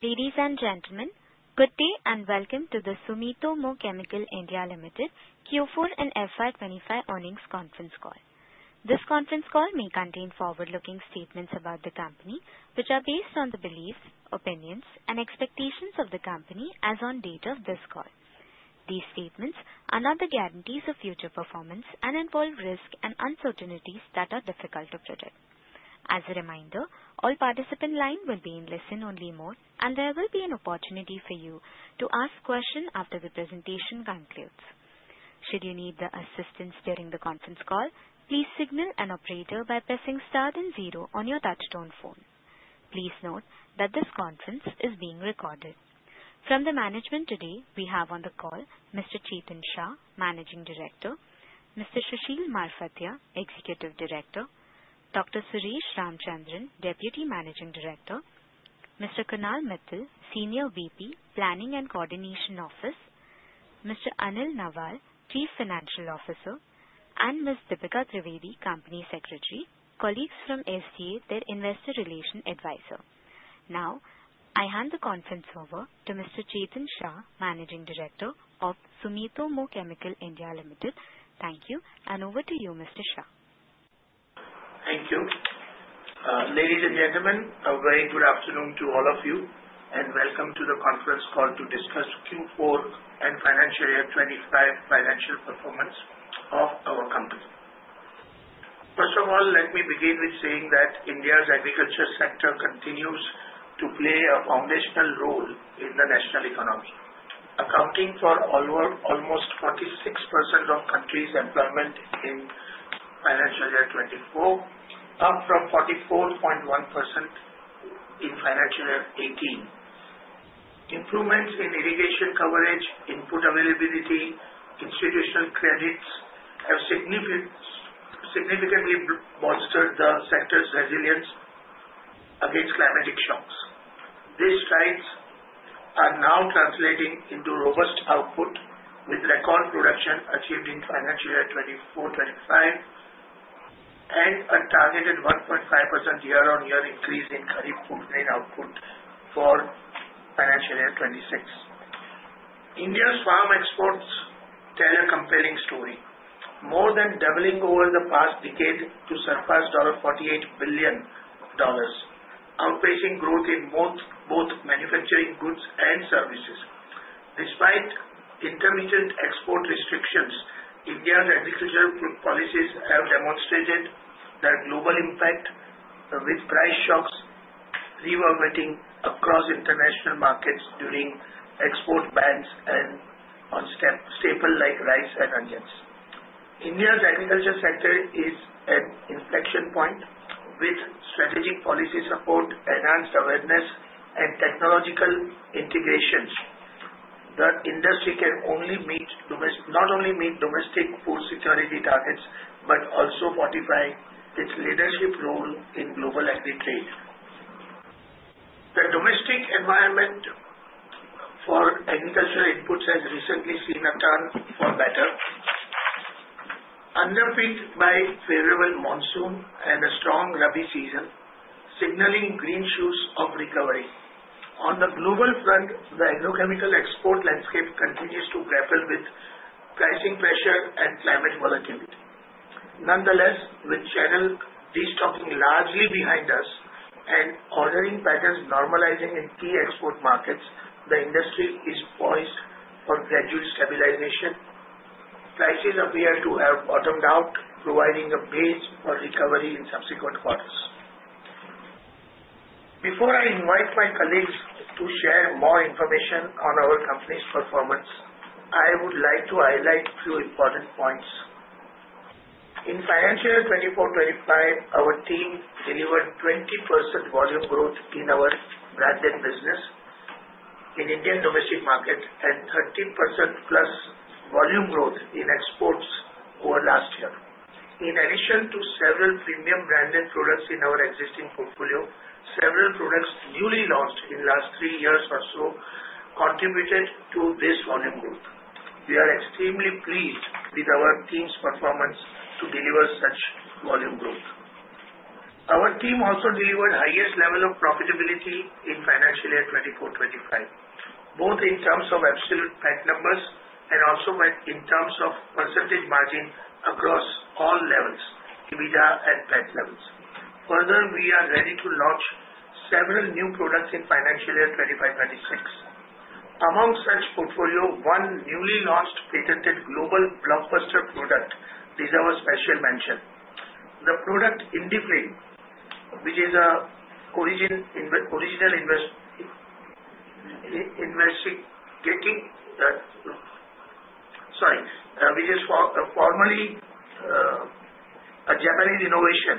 Ladies and gentlemen, good day and welcome to the Sumitomo Chemical India Limited Q4 and FY25 earnings conference call. This conference call may contain forward-looking statements about the company, which are based on the beliefs, opinions, and expectations of the company as on date of this call. These statements are not the guarantees of future performance and involve risks and uncertainties that are difficult to predict. As a reminder, all participants' lines will be in listen-only mode, and there will be an opportunity for you to ask questions after the presentation concludes. Should you need assistance during the conference call, please signal an operator by pressing star and zero on your touch-tone phone. Please note that this conference is being recorded. From the management today, we have on the call Mr. Chetan Shah, Managing Director, Mr. Sushil Marfatia, Executive Director, Dr. Suresh Ramachandran, Deputy Managing Director, Mr. Kunal Mittal, Senior VP, Planning and Coordination Office; Mr. Anil Nawal, Chief Financial Officer; and Ms. Deepika Trivedi, Company Secretary, colleagues from SC, their Investor Relations Advisor. Now, I hand the conference over to Mr. Chetan Shah, Managing Director of Sumitomo Chemical India Limited. Thank you, and over to you, Mr. Shah. Thank you. Ladies and gentlemen, a very good afternoon to all of you, and welcome to the conference call to discuss Q4 and financial year 25 financial performance of our company. First of all, let me begin with saying that India's agriculture sector continues to play a foundational role in the national economy, accounting for almost 46% of the country's employment in financial year 24, up from 44.1% in financial year 2018. Improvements in irrigation coverage, input availability, and institutional credits have significantly bolstered the sector's resilience against climatic shocks. These strides are now translating into robust output, with record production achieved in financial year 24-25 and a targeted 1.5% year-on-year increase in coarse cereal grain output for financial year 26. India's farm exports tell a compelling story, more than doubling over the past decade to surpass $48 billion, outpacing growth in both manufacturing goods and services. Despite intermittent export restrictions, India's agricultural policies have demonstrated their global impact, with price shocks reverberating across international markets during export bans on staples like rice and onions. India's agriculture sector is at inflection points, with strategic policy support, enhanced awareness, and technological integration. The industry can not only meet domestic food security targets but also fortify its leadership role in global agri-trade. The domestic environment for agricultural inputs has recently seen a turn for the better, underpinned by favorable monsoon and a strong Rabi season, signaling green shoots of recovery. On the global front, the agrochemical export landscape continues to grapple with pricing pressure and climate volatility. Nonetheless, with channel restocking largely behind us and ordering patterns normalizing in key export markets, the industry is poised for gradual stabilization. Prices appear to have bottomed out, providing a base for recovery in subsequent quarters. Before I invite my colleagues to share more information on our company's performance, I would like to highlight a few important points. In financial year 2024-25, our team delivered 20% volume growth in our branded business in the Indian domestic market and 13%+ volume growth in exports over last year. In addition to several premium branded products in our existing portfolio, several products newly launched in the last three years or so contributed to this volume growth. We are extremely pleased with our team's performance to deliver such volume growth. Our team also delivered the highest level of profitability in financial year 2024-25, both in terms of absolute PAT numbers and also in terms of percentage margin across all levels, EBITDA and PAT levels. Further, we are ready to launch several new products in financial year 2025-26. Among such portfolio, one newly launched patented global blockbuster product deserves special mention. The product INDIFLIN, which is formally a Japanese innovation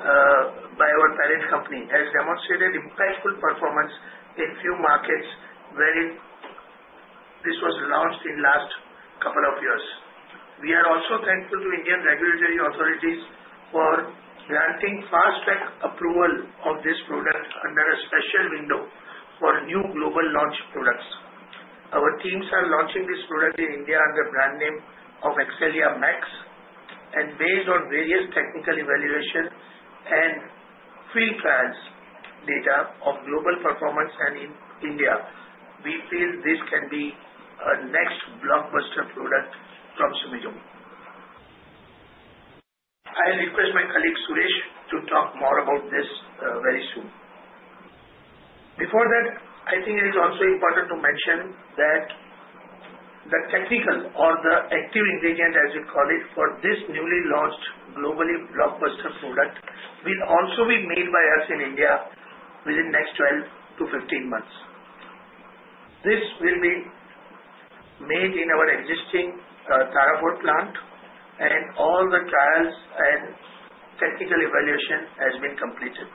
by our parent company, has demonstrated impactful performance in a few markets wherein this was launched in the last couple of years. We are also thankful to Indian regulatory authorities for granting fast-track approval of this product under a special window for new global launch products. Our teams are launching this product in India under the brand name of Excalia Max, and based on various technical evaluations and field trials data of global performance in India, we feel this can be a next blockbuster product from Sumitomo. I'll request my colleague Suresh to talk more about this very soon. Before that, I think it is also important to mention that the technical or the active ingredient, as we call it, for this newly launched globally blockbuster product will also be made by us in India within the next 12 to 15 months. This will be made in our existing Tarapur plant, and all the trials and technical evaluation have been completed.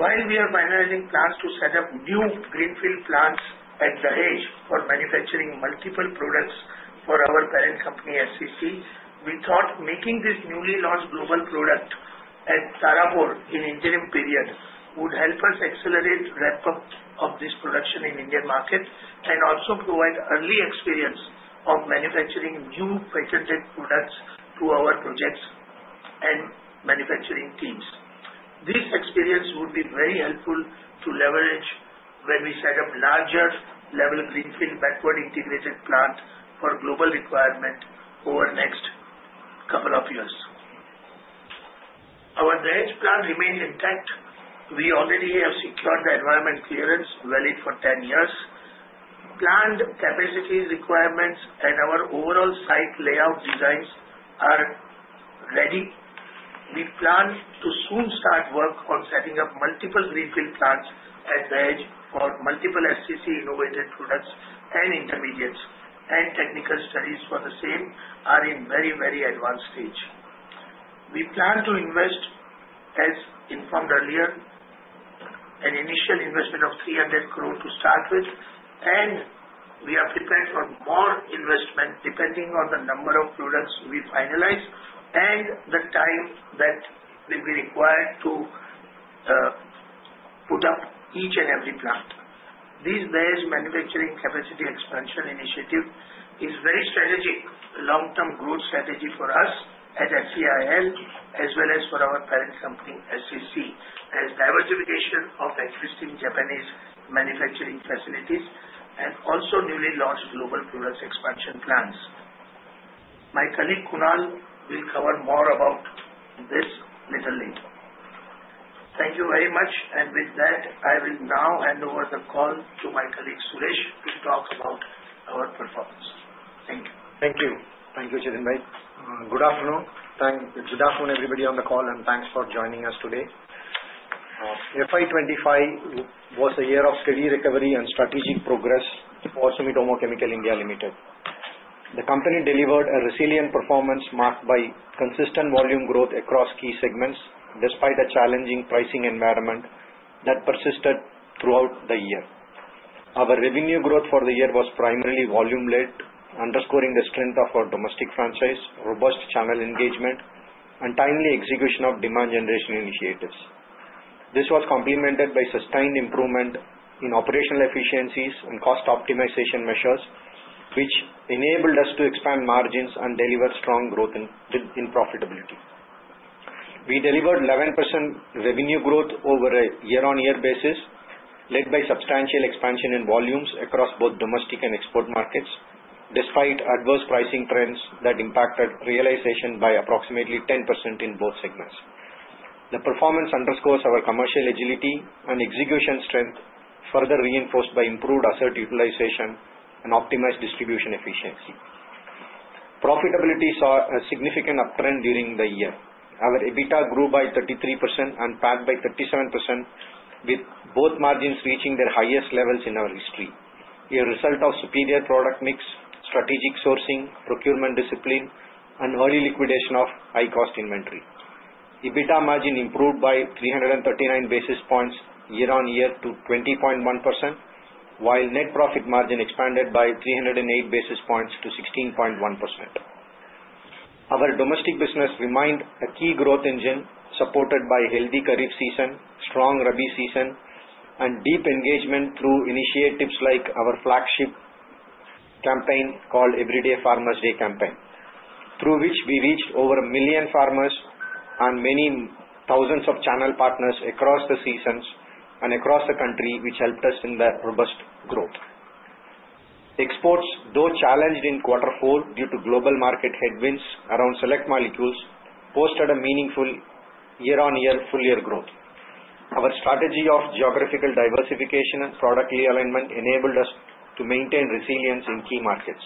While we are finalizing plans to set up new greenfield plants at Dahej for manufacturing multiple products for our parent company, SCC, we thought making this newly launched global product at Tarapur in the interim period would help us accelerate the ramp-up of this production in the Indian market and also provide early experience of manufacturing new patented products to our projects and manufacturing teams. This experience would be very helpful to leverage when we set up larger-level greenfield backward-integrated plant for global requirement over the next couple of years. Our Dahej plant remains intact. We already have secured the environmental clearance valid for 10 years. Plant capacity requirements and our overall site layout designs are ready. We plan to soon start work on setting up multiple greenfield plants at Dahej for multiple SCC-innovated products and intermediates, and technical studies for the same are in a very, very advanced stage. We plan to invest, as informed earlier, an initial investment of 300 crore to start with, and we are prepared for more investment depending on the number of products we finalize and the time that will be required to put up each and every plant. This Dahej manufacturing capacity expansion initiative is a very strategic long-term growth strategy for us at SCIL, as well as for our parent company, SCC, as diversification of existing Japanese manufacturing facilities and also newly launched global products expansion plans. My colleague Kunal will cover more about this a little later. Thank you very much, and with that, I will now hand over the call to my colleague Suresh to talk about our performance. Thank you. Thank you. Thank you, Chetan Shah. Good afternoon. Good afternoon, everybody on the call, and thanks for joining us today. FY25 was a year of steady recovery and strategic progress for Sumitomo Chemical India Limited. The company delivered a resilient performance marked by consistent volume growth across key segments despite a challenging pricing environment that persisted throughout the year. Our revenue growth for the year was primarily volume-led, underscoring the strength of our domestic franchise, robust channel engagement, and timely execution of demand-generation initiatives. This was complemented by sustained improvement in operational efficiencies and cost optimization measures, which enabled us to expand margins and deliver strong growth in profitability. We delivered 11% revenue growth over a year-on-year basis, led by substantial expansion in volumes across both domestic and export markets, despite adverse pricing trends that impacted realization by approximately 10% in both segments. The performance underscores our commercial agility and execution strength, further reinforced by improved asset utilization and optimized distribution efficiency. Profitability saw a significant uptrend during the year. Our EBITDA grew by 33% and PAT by 37%, with both margins reaching their highest levels in our history, a result of superior product mix, strategic sourcing, procurement discipline, and early liquidation of high-cost inventory. EBITDA margin improved by 339 basis points year-on-year to 20.1%, while net profit margin expanded by 308 basis points to 16.1%. Our domestic business remained a key growth engine, supported by a healthy kharif season, strong rabi season, and deep engagement through initiatives like our flagship campaign called Everyday Farmer's Day campaign, through which we reached over a million farmers and many thousands of channel partners across the seasons and across the country, which helped us in that robust growth. Exports, though challenged in Q4 due to global market headwinds around select molecules, posted a meaningful year-on-year full-year growth. Our strategy of geographical diversification and product realignment enabled us to maintain resilience in key markets.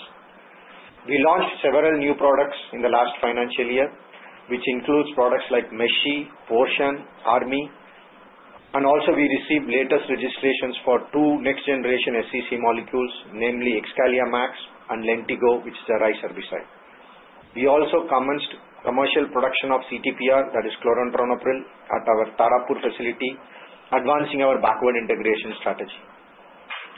We launched several new products in the last financial year, which includes products like Meshi, Poshan, Ormie, and also we received latest registrations for two next-generation SCC molecules, namely Excalia Max and Lentigo, which is a rice herbicide. We also commenced commercial production of CTPR, that is Chlorantraniliprole, at our Tarapur facility, advancing our backward integration strategy.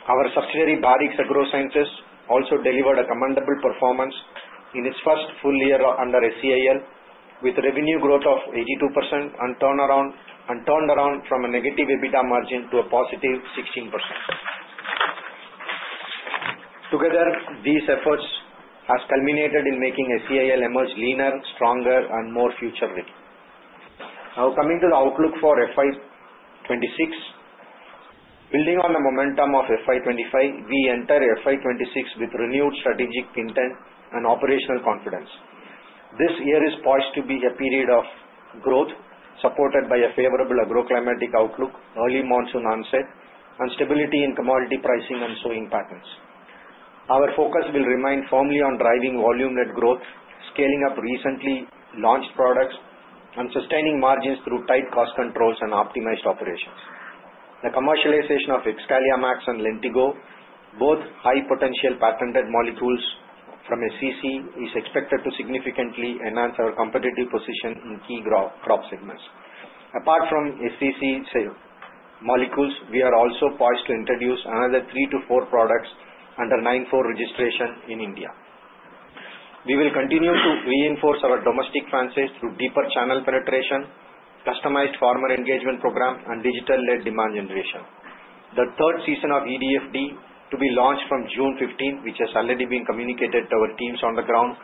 Our subsidiary Barrix Agro Sciences also delivered a commendable performance in its first full year under SCIL, with revenue growth of 82% and turned around from a negative EBITDA margin to a positive 16%. Together, these efforts have culminated in making SCIL emerge leaner, stronger, and more future-ready. Now, coming to the outlook for FY26, building on the momentum of FY25, we enter FY26 with renewed strategic intent and operational confidence. This year is poised to be a period of growth, supported by a favorable agroclimatic outlook, early monsoon onset, and stability in commodity pricing and sowing patterns. Our focus will remain firmly on driving volume-led growth, scaling up recently launched products, and sustaining margins through tight cost controls and optimized operations. The commercialization of Excalia Max and Lentigo, both high-potential patented molecules from SCC, is expected to significantly enhance our competitive position in key crop segments. Apart from SCC molecules, we are also poised to introduce another three to four products under 9(4) registration in India. We will continue to reinforce our domestic franchise through deeper channel penetration, customized farmer engagement program, and digital-led demand generation. The third season of EDFD, to be launched from June 15, which has already been communicated to our teams on the ground,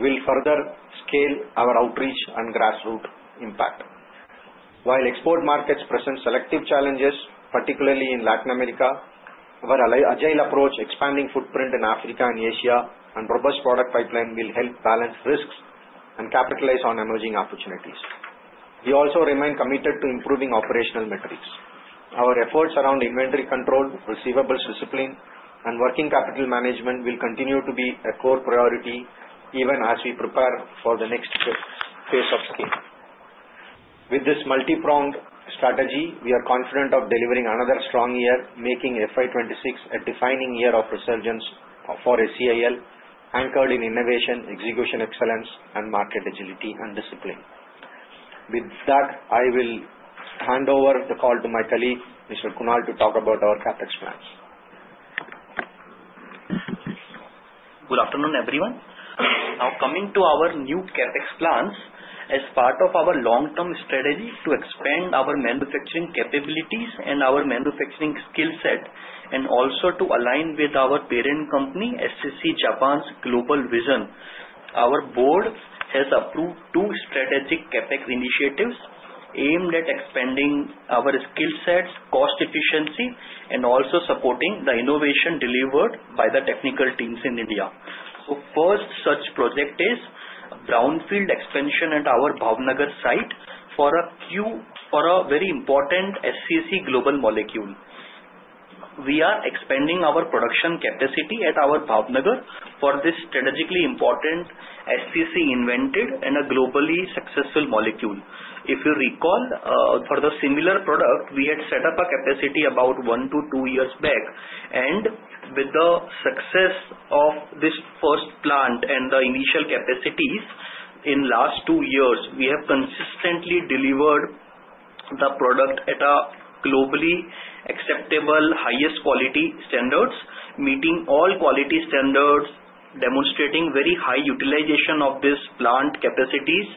will further scale our outreach and grassroots impact. While export markets present selective challenges, particularly in Latin America, our agile approach, expanding footprint in Africa and Asia, and robust product pipeline will help balance risks and capitalize on emerging opportunities. We also remain committed to improving operational metrics. Our efforts around inventory control, receivables discipline, and working capital management will continue to be a core priority even as we prepare for the next phase of scale. With this multi-pronged strategy, we are confident of delivering another strong year, making FY26 a defining year of resurgence for SCIL, anchored in innovation, execution excellence, and market agility and discipline. With that, I will hand over the call to my colleague, Mr. Kunal, to talk about our CapEx plans. Good afternoon, everyone. Now, coming to our new CapEx plans as part of our long-term strategy to expand our manufacturing capabilities and our manufacturing skill set, and also to align with our parent company, SCC Japan's global vision. Our board has approved two strategic CapEx initiatives aimed at expanding our skill sets, cost efficiency, and also supporting the innovation delivered by the technical teams in India. So the first such project is brownfield expansion at our Bhavnagar site for a very important SCC global molecule. We are expanding our production capacity at our Bhavnagar for this strategically important SCC invented and a globally successful molecule. If you recall, for the similar product, we had set up a capacity about one-to-two years back, and with the success of this first plant and the initial capacities in the last two years, we have consistently delivered the product at a globally acceptable highest quality standards, meeting all quality standards, demonstrating very high utilization of this plant capacities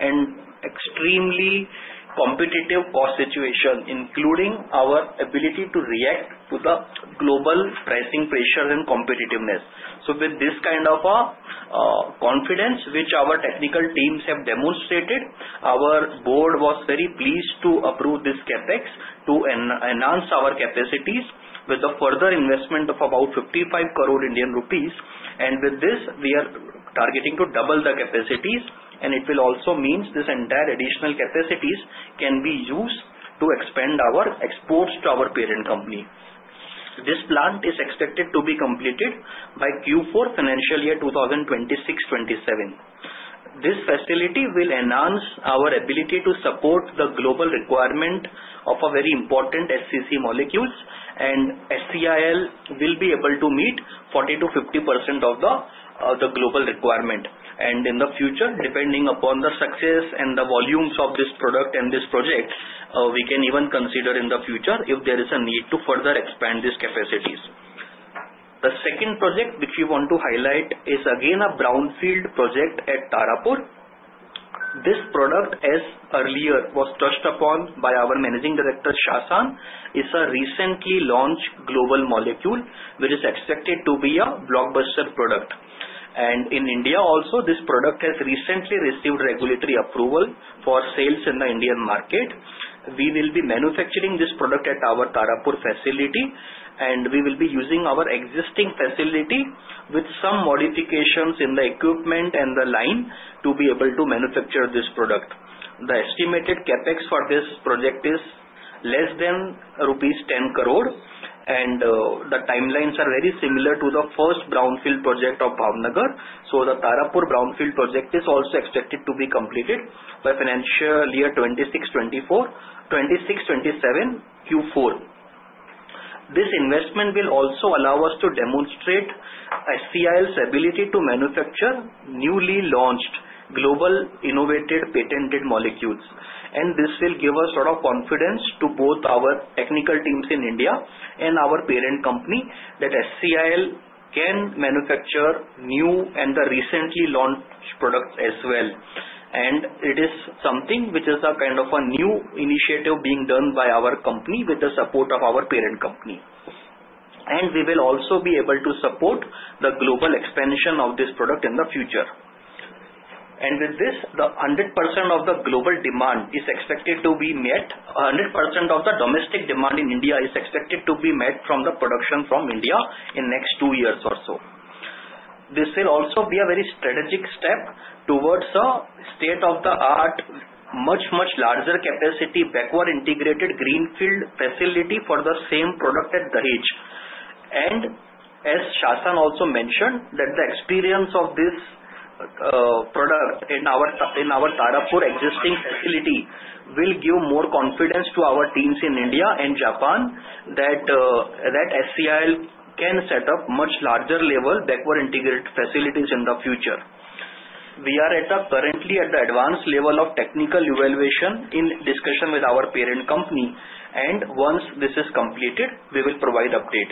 and extremely competitive cost situation, including our ability to react to the global pricing pressures and competitiveness. So with this kind of confidence, which our technical teams have demonstrated, our board was very pleased to approve this CapEx to enhance our capacities with the further investment of about 55 crore Indian rupees. And with this, we are targeting to double the capacities, and it will also mean this entire additional capacities can be used to expand our exports to our parent company. This plant is expected to be completed by Q4 financial year 2026-27. This facility will enhance our ability to support the global requirement of very important SCC molecules, and SCIL will be able to meet 40%-50% of the global requirement, and in the future, depending upon the success and the volumes of this product and this project, we can even consider in the future if there is a need to further expand these capacities. The second project which we want to highlight is again a brownfield project at Tarapur. This product, as earlier was touched upon by our managing director, Chetan Shah, is a recently launched global molecule which is expected to be a blockbuster product, and in India also, this product has recently received regulatory approval for sales in the Indian market. We will be manufacturing this product at our Tarapur facility, and we will be using our existing facility with some modifications in the equipment and the line to be able to manufacture this product. The estimated CapEx for this project is less than rupees 10 crore, and the timelines are very similar to the first brownfield project of Bhavnagar, so the Tarapur brownfield project is also expected to be completed by financial year 2026-27 Q4. This investment will also allow us to demonstrate SCIL's ability to manufacture newly launched global innovated patented molecules, and this will give us a lot of confidence to both our technical teams in India and our parent company that SCIL can manufacture new and the recently launched products as well, and it is something which is a kind of a new initiative being done by our company with the support of our parent company. We will also be able to support the global expansion of this product in the future. With this, 100% of the global demand is expected to be met. 100% of the domestic demand in India is expected to be met from the production from India in the next two years or so. This will also be a very strategic step towards a state-of-the-art, much, much larger capacity backward integrated greenfield facility for the same product at Dahej. As Chetan Shah also mentioned, the experience of this product in our Tarapur existing facility will give more confidence to our teams in India and Japan that SCIL can set up much larger level backward-integrated facilities in the future. We are currently at the advanced level of technical evaluation in discussion with our parent company. Once this is completed, we will provide update.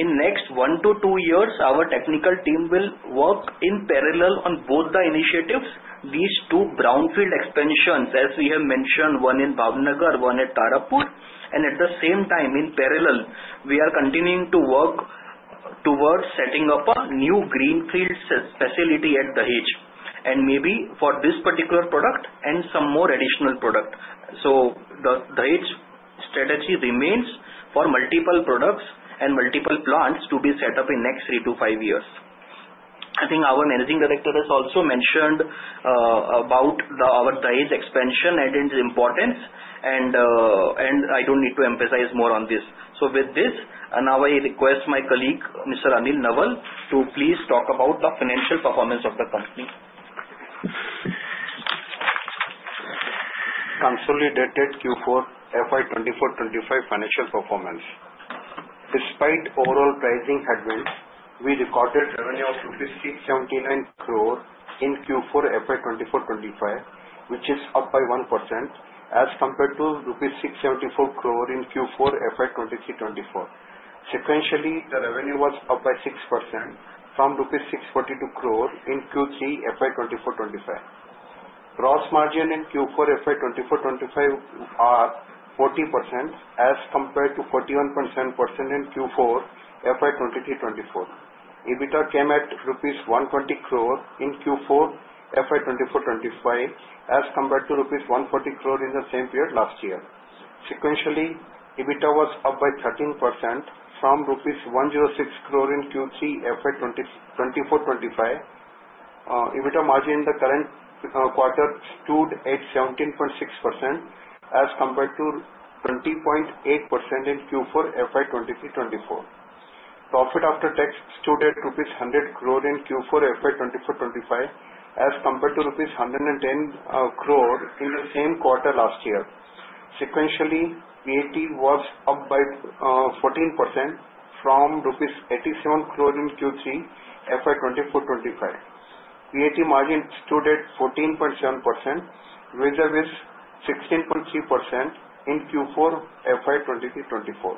In the next one to two years, our technical team will work in parallel on both the initiatives, these two brownfield expansions, as we have mentioned, one in Bhavnagar, one at Tarapur, and at the same time, in parallel, we are continuing to work towards setting up a new greenfield facility at Dahej, and maybe for this particular product and some more additional product, so the Dahej strategy remains for multiple products and multiple plants to be set up in the next three to five years. I think our Managing Director has also mentioned about our Dahej expansion and its importance, and I don't need to emphasize more on this, so with this, now I request my colleague, Mr. Anil Nawal, to please talk about the financial performance of the company. Consolidated Q4 FY24-25 financial performance. Despite overall pricing headwinds, we recorded revenue of 679 crore in Q4 FY24-25, which is up by 1% as compared to rupees 674 crore in Q4 FY23-24. Sequentially, the revenue was up by 6% from rupees 642 crore in Q3 FY24-25. Gross margin in Q4 FY24-25 are 40% as compared to 41.7% in Q4 FY23-24. EBITDA came at rupees 120 crore in Q4 FY24-25 as compared to rupees 140 crore in the same period last year. Sequentially, EBITDA was up by 13% from rupees 106 crore in Q3 FY24-25. EBITDA margin in the current quarter stood at 17.6% as compared to 20.8% in Q4 FY23-24. Profit after tax stood at INR 100 crore in Q4 FY24-25 as compared to INR 110 crore in the same quarter last year. Sequentially, PAT was up by 14% from INR 87 crore in Q3 FY24-25. PAT margin stood at 14.7%, with 16.3% in Q4 FY23-24.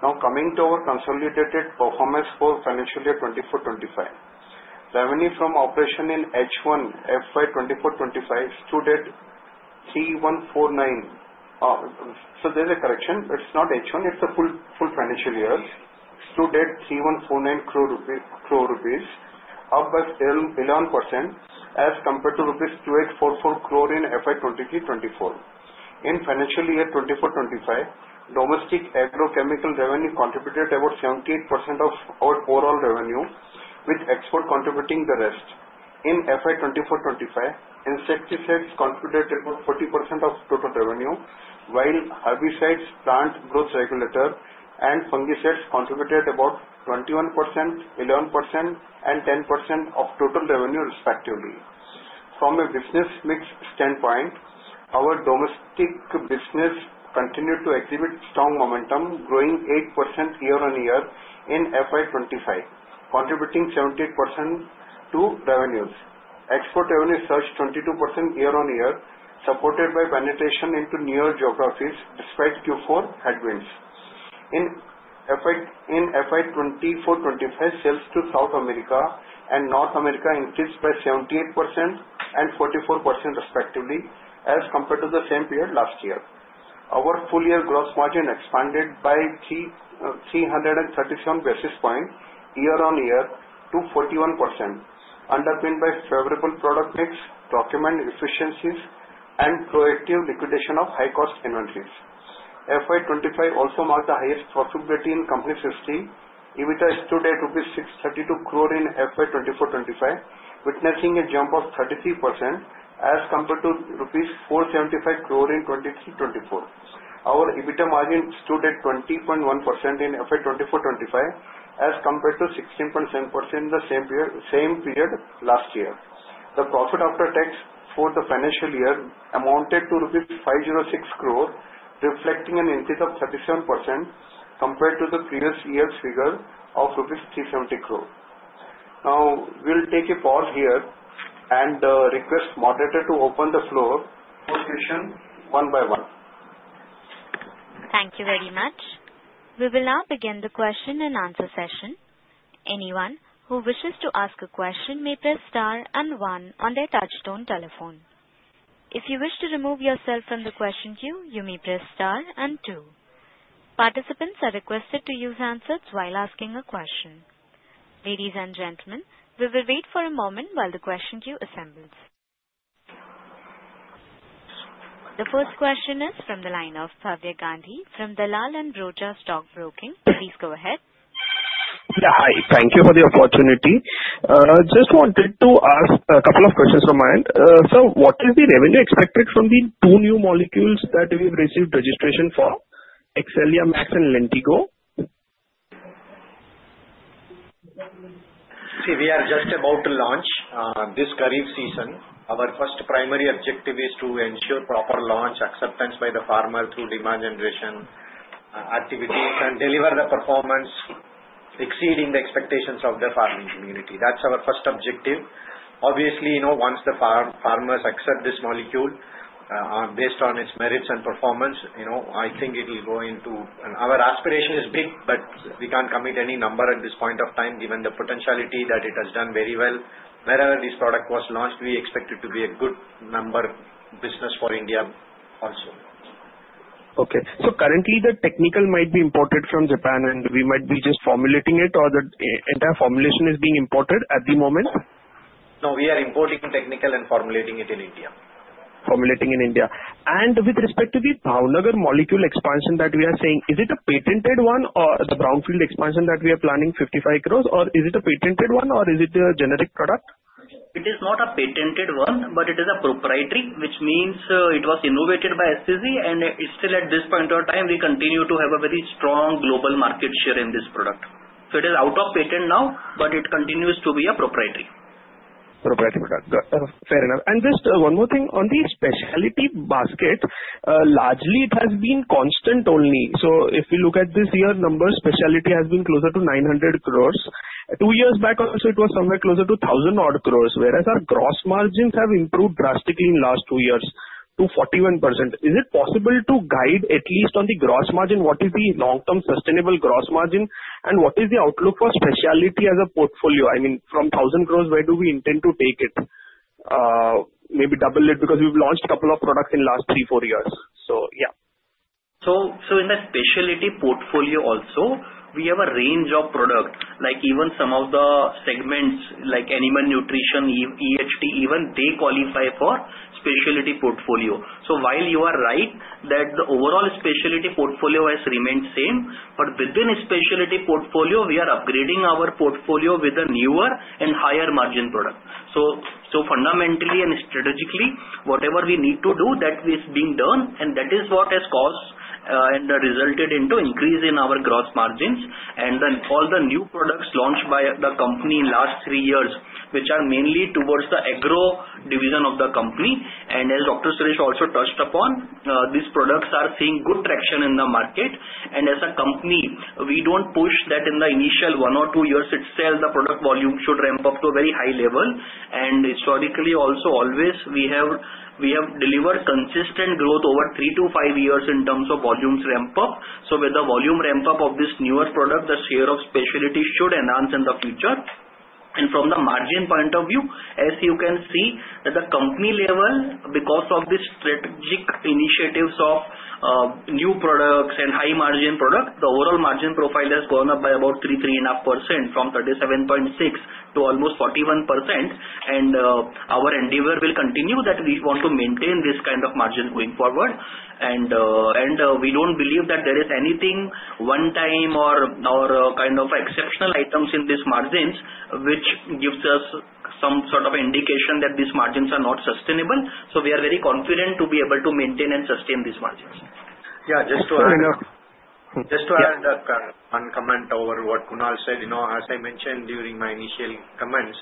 Now, coming to our consolidated performance for financial year 2024-25, revenue from operations in H1 FY2024-25 stood at 3,149. So there's a correction. It's not H1. It's a full financial year. Stood at INR 3,149 crore, up by 11% as compared to INR 2,844 crore in FY2023-24. In financial year 2024-25, domestic agrochemical revenue contributed about 78% of our overall revenue, with export contributing the rest. In FY2024-25, insecticides contributed about 40% of total revenue, while herbicides, plant growth regulator, and fungicides contributed about 21%, 11%, and 10% of total revenue, respectively. From a business mix standpoint, our domestic business continued to exhibit strong momentum, growing 8% year-on-year in FY2025, contributing 78% to revenues. Export revenue surged 22% year-on-year, supported by penetration into near geographies despite Q4 headwinds. In FY 2024-25, sales to South America and North America increased by 78% and 44%, respectively, as compared to the same period last year. Our full-year gross margin expanded by 337 basis points year-on-year to 41%, underpinned by favorable product mix, procurement efficiencies, and proactive liquidation of high-cost inventories. FY 2025 also marked the highest profitability in company history. EBITDA stood at rupees 632 crore in FY 2024-25, witnessing a jump of 33% as compared to rupees 475 crore in 2023-24. Our EBITDA margin stood at 20.1% in FY 2024-25 as compared to 16.7% in the same period last year. The profit after tax for the financial year amounted to rupees 506 crore, reflecting an increase of 37% compared to the previous year's figure of rupees 370 crore. Now, we'll take a pause here and request the moderator to open the floor for questions one by one. Thank you very much. We will now begin the question and answer session. Anyone who wishes to ask a question may press star and one on their touch-tone telephone. If you wish to remove yourself from the question queue, you may press star and two. Participants are requested to use handsets while asking a question. Ladies and gentlemen, we will wait for a moment while the question queue assembles. The first question is from the line of Bhavya Gandhi from Dalal & Broacha Stock Broking. Please go ahead. Yeah, hi. Thank you for the opportunity. Just wanted to ask a couple of questions from my end. Sir, what is the revenue expected from the two new molecules that we've received registration for, Excalia Max and Lentigo? See, we are just about to launch this Kharif season. Our first primary objective is to ensure proper launch acceptance by the farmer through demand generation activities and deliver the performance exceeding the expectations of the farming community. That's our first objective. Obviously, once the farmers accept this molecule based on its merits and performance, I think it will go into our aspiration is big, but we can't commit any number at this point of time given the potentiality that it has done very well. Wherever this product was launched, we expected to be a good number business for India also. Okay. So currently, the technical might be imported from Japan, and we might be just formulating it, or the entire formulation is being imported at the moment? No, we are importing technical and formulating it in India. Formulating in India. And with respect to the Bhavnagar molecule expansion that we are saying, is it a patented one or the brownfield expansion that we are planning 55 crore, or is it a patented one or is it a generic product? It is not a patented one, but it is a proprietary, which means it was innovated by SCC, and still at this point of time, we continue to have a very strong global market share in this product. So it is out of patent now, but it continues to be a proprietary. Proprietary product. Fair enough. And just one more thing on the specialty basket, largely it has been constant only. So if we look at this year's number, specialty has been closer to 900 crore. Two years back also, it was somewhere closer to 1000 crore, whereas our gross margins have improved drastically in the last two years to 41%. Is it possible to guide at least on the gross margin? What is the long-term sustainable gross margin and what is the outlook for specialty as a portfolio? I mean, from 1000 crores, where do we intend to take it? Maybe double it because we've launched a couple of products in the last three, four years. So yeah. In the specialty portfolio also, we have a range of products. Even some of the segments like animal nutrition, EHD, even they qualify for specialty portfolio. While you are right that the overall specialty portfolio has remained same, but within specialty portfolio, we are upgrading our portfolio with a newer and higher margin product. Fundamentally and strategically, whatever we need to do, that is being done, and that is what has caused and resulted in increase in our gross margins. All the new products launched by the company in the last three years, which are mainly towards the agro division of the company. As Dr. Suresh also touched upon, these products are seeing good traction in the market. As a company, we don't push that in the initial one or two years. It says the product volume should ramp up to a very high level. And historically also, always we have delivered consistent growth over three to five years in terms of volumes ramp up. So with the volume ramp up of this newer product, the share of specialty should enhance in the future. And from the margin point of view, as you can see, the company level, because of these strategic initiatives of new products and high margin products, the overall margin profile has gone up by about 3-3.5% from 37.6% to almost 41%. And our endeavor will continue that we want to maintain this kind of margin going forward. And we don't believe that there is anything one-time or kind of exceptional items in these margins, which gives us some sort of indication that these margins are not sustainable. So we are very confident to be able to maintain and sustain these margins. Yeah, just to add one comment over what Kunal said. As I mentioned during my initial comments,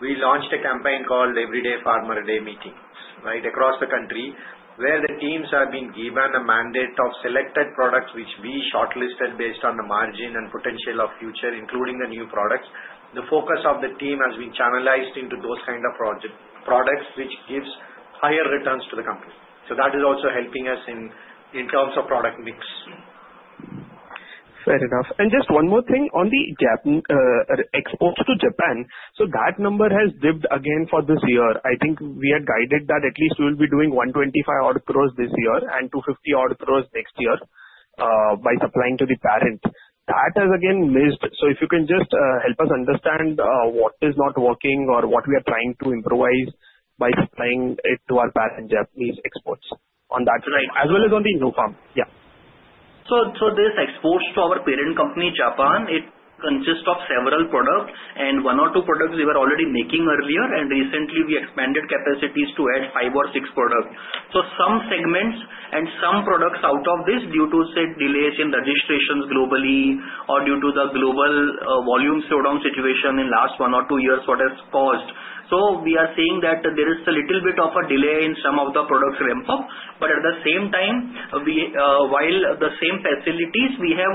we launched a campaign called Everyday Farmer's Day meetings across the country, where the teams have been given a mandate of selected products, which we shortlisted based on the margin and potential of future, including the new products. The focus of the team has been channelized into those kinds of products, which gives higher returns to the company. So that is also helping us in terms of product mix. Fair enough. And just one more thing on the exports to Japan. So that number has dipped again for this year. I think we are guided that at least we will be doing 125 crores this year and 250 crores next year by supplying to the parent. That has again missed. So if you can just help us understand what is not working or what we are trying to improvise by supplying it to our parent. Japanese exports on that line, as well as on the innovation. Yeah. So, this exports to our parent company, Japan, it consists of several products. And one or two products we were already making earlier, and recently we expanded capacities to add five or six products. So some segments and some products out of this due to, say, delays in registrations globally or due to the global volume slowdown situation in the last one or two years, what has caused. So we are seeing that there is a little bit of a delay in some of the products ramp up. But at the same time, while the same facilities, we have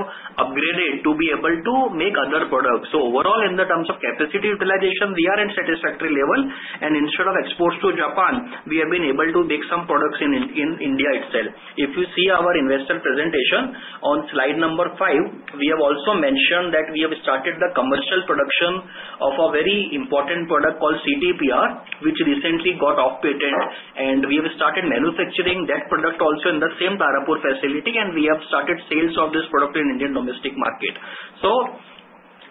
upgraded to be able to make other products. So overall, in the terms of capacity utilization, we are in satisfactory level. And instead of exports to Japan, we have been able to make some products in India itself. If you see our investor presentation on slide number five, we have also mentioned that we have started the commercial production of a very important product called CTPR, which recently got off patent, and we have started manufacturing that product also in the same Tarapur facility, and we have started sales of this product in Indian domestic market, so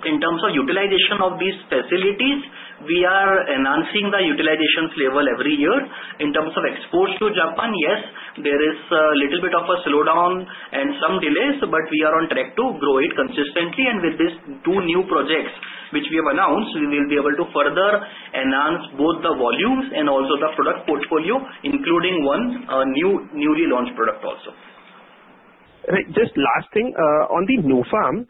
in terms of utilization of these facilities, we are enhancing the utilization level every year. In terms of exports to Japan, yes, there is a little bit of a slowdown and some delays, but we are on track to grow it consistently, and with these two new projects which we have announced, we will be able to further enhance both the volumes and also the product portfolio, including one newly launched product also. Just last thing on the Nufarm,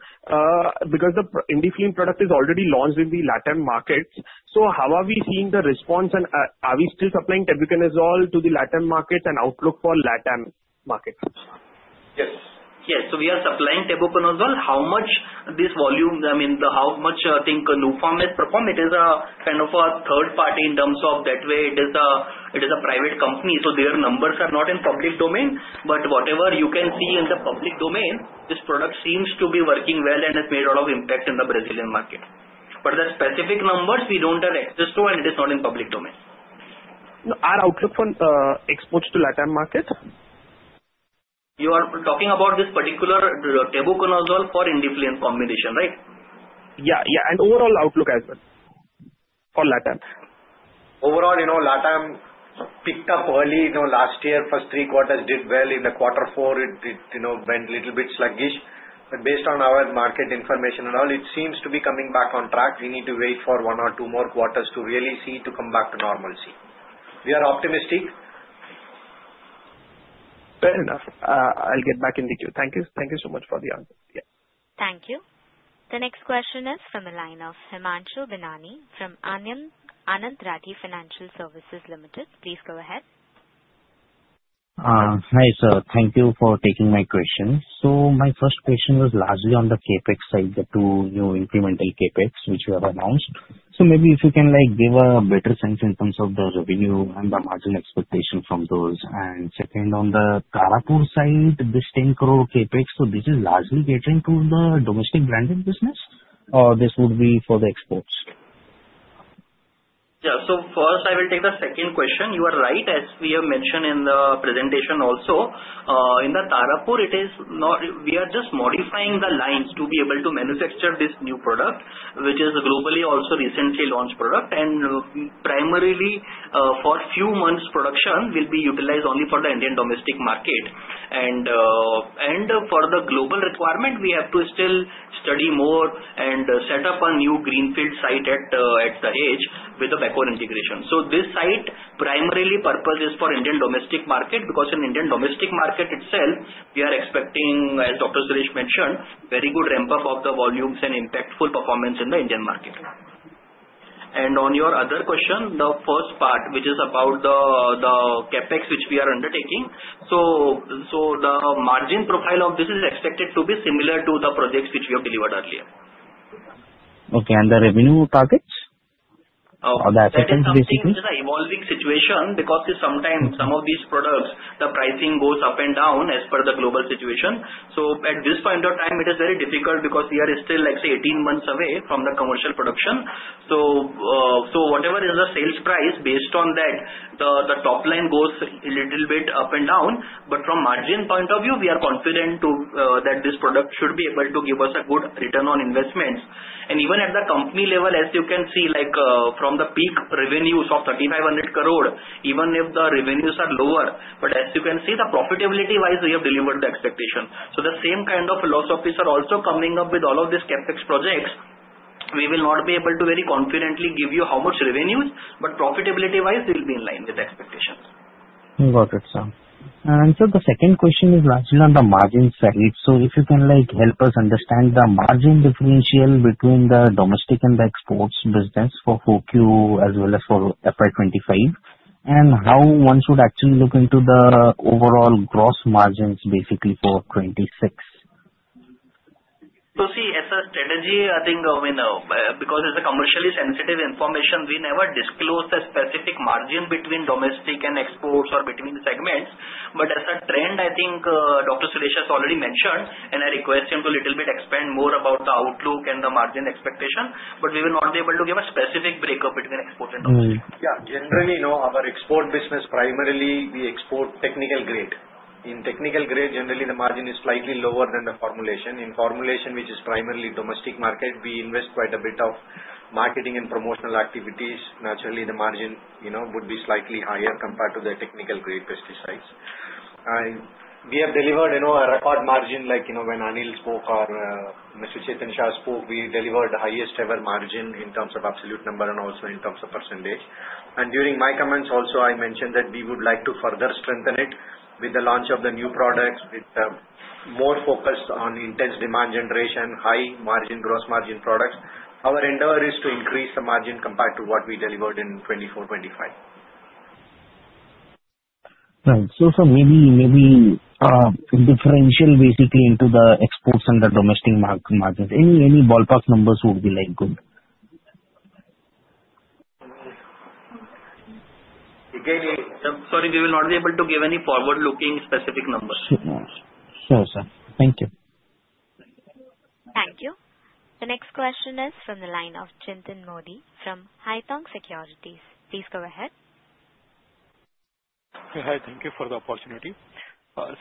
because the INDIFLIN product is already launched in the LATAM markets. So how are we seeing the response? And are we still supplying tebuconazole to the LATAM market and outlook for LATAM markets? Yes. Yeah. So we are supplying tebuconazole. How much this volume, I mean, how much I think Nufarm has performed? It is kind of a third party in terms of that way. It is a private company. So their numbers are not in public domain. But whatever you can see in the public domain, this product seems to be working well and has made a lot of impact in the Brazilian market. But the specific numbers we don't have access to, and it is not in public domain. Our outlook for exports to LATAM market? You are talking about this particular Tebuconazole for INDIFLIN combination, right? Yeah. Yeah. And overall outlook as well for LATAM? Overall, LATAM picked up early last year. First three quarters did well. In the quarter four, it went a little bit sluggish. But based on our market information and all, it seems to be coming back on track. We need to wait for one or two more quarters to really see to come back to normalcy. We are optimistic. Fair enough. I'll get back in the queue. Thank you. Thank you so much for the answer. Yeah. Thank you. The next question is from the line of Himanshu Binani from Anand Rathi Financial Services Limited. Please go ahead. Hi, sir. Thank you for taking my question. So my first question was largely on the Capex side, the two new incremental Capex which we have announced. So maybe if you can give a better sense in terms of the revenue and the margin expectation from those. And second, on the Tarapur side, this 10 crore Capex, so this is largely catering to the domestic branded business, or this would be for the exports? Yeah. So first, I will take the second question. You are right, as we have mentioned in the presentation also. In the Tarapur, we are just modifying the lines to be able to manufacture this new product, which is a globally also recently launched product. And primarily, for a few months, production will be utilized only for the Indian domestic market. And for the global requirement, we have to still study more and set up a new greenfield site at Dahej with the backward integration. So this site's primary purpose is for Indian domestic market because in Indian domestic market itself, we are expecting, as Dr. Suresh mentioned, very good ramp up of the volumes and impactful performance in the Indian market. On your other question, the first part, which is about the CapEx which we are undertaking, so the margin profile of this is expected to be similar to the projects which we have delivered earlier. Okay. And the revenue targets? The acceptance, basically. It's an evolving situation because sometimes some of these products, the pricing goes up and down as per the global situation. So at this point of time, it is very difficult because we are still, let's say, 18 months away from the commercial production. So whatever is the sales price, based on that, the top line goes a little bit up and down. But from margin point of view, we are confident that this product should be able to give us a good return on investments. And even at the company level, as you can see, from the peak revenues of 3,500 crore, even if the revenues are lower, but as you can see, the profitability-wise, we have delivered the expectation. So the same kind of philosophy is also coming up with all of these CapEx projects. We will not be able to very confidently give you how much revenues, but profitability-wise, we'll be in line with expectations. Got it, sir. And so the second question is largely on the margin side. So if you can help us understand the margin differential between the domestic and the exports business for FY24 as well as for FY25, and how one should actually look into the overall gross margins, basically, for '26? So see, as a strategy, I think, because it's a commercially sensitive information, we never disclose the specific margin between domestic and exports or between segments. But as a trend, I think Dr. Suresh has already mentioned, and I request him to a little bit expand more about the outlook and the margin expectation, but we will not be able to give a specific breakup between export and domestic. Yeah. Generally, our export business, primarily, we export technical grade. In technical grade, generally, the margin is slightly lower than the formulation. In formulation, which is primarily domestic market, we invest quite a bit of marketing and promotional activities. Naturally, the margin would be slightly higher compared to the technical-grade pesticides. We have delivered a record margin. When Anil spoke or Mrs. Chetan Shah spoke, we delivered the highest-ever margin in terms of absolute number and also in terms of percentage. During my comments also, I mentioned that we would like to further strengthen it with the launch of the new products, with more focus on intense demand generation, high margin, gross margin products. Our endeavor is to increase the margin compared to what we delivered in 2024, 2025. Nice. So maybe differential, basically, into the exports and the domestic margins. Any ballpark numbers would be good. Sorry, we will not be able to give any forward-looking specific numbers. Sure, sir. Thank you. Thank you. The next question is from the line of Chintan Modi from Haitong Securities. Please go ahead. Hi. Thank you for the opportunity.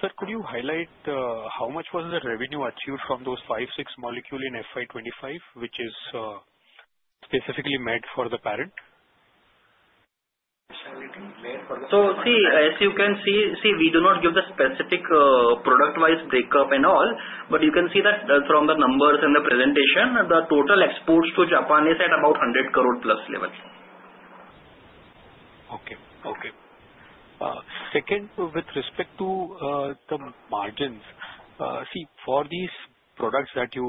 Sir, could you highlight how much was the revenue achieved from those five, six molecules in FY 2025, which is specifically made for the parent? So see, as you can see, we do not give the specific product-wise breakup and all, but you can see that from the numbers and the presentation, the total exports to Japan is at about 100 crore+ level. Okay. Okay. Second, with respect to the margins, see, for these products that you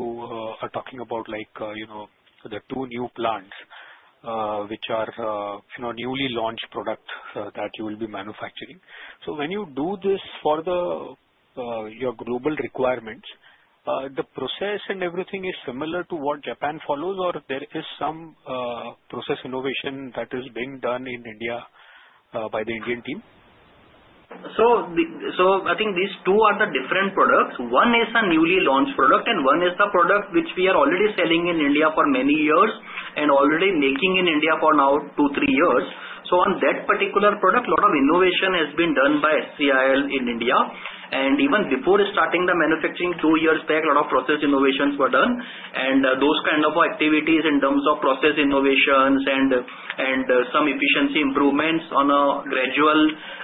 are talking about, like the two new plants, which are newly launched products that you will be manufacturing. So when you do this for your global requirements, the process and everything is similar to what Japan follows, or there is some process innovation that is being done in India by the Indian team? I think these two are the different products. One is a newly launched product, and one is the product which we are already selling in India for many years and already making in India for now two, three years. On that particular product, a lot of innovation has been done by SCIL in India. Even before starting the manufacturing two years back, a lot of process innovations were done. Those kinds of activities in terms of process innovations and some efficiency improvements on a gradual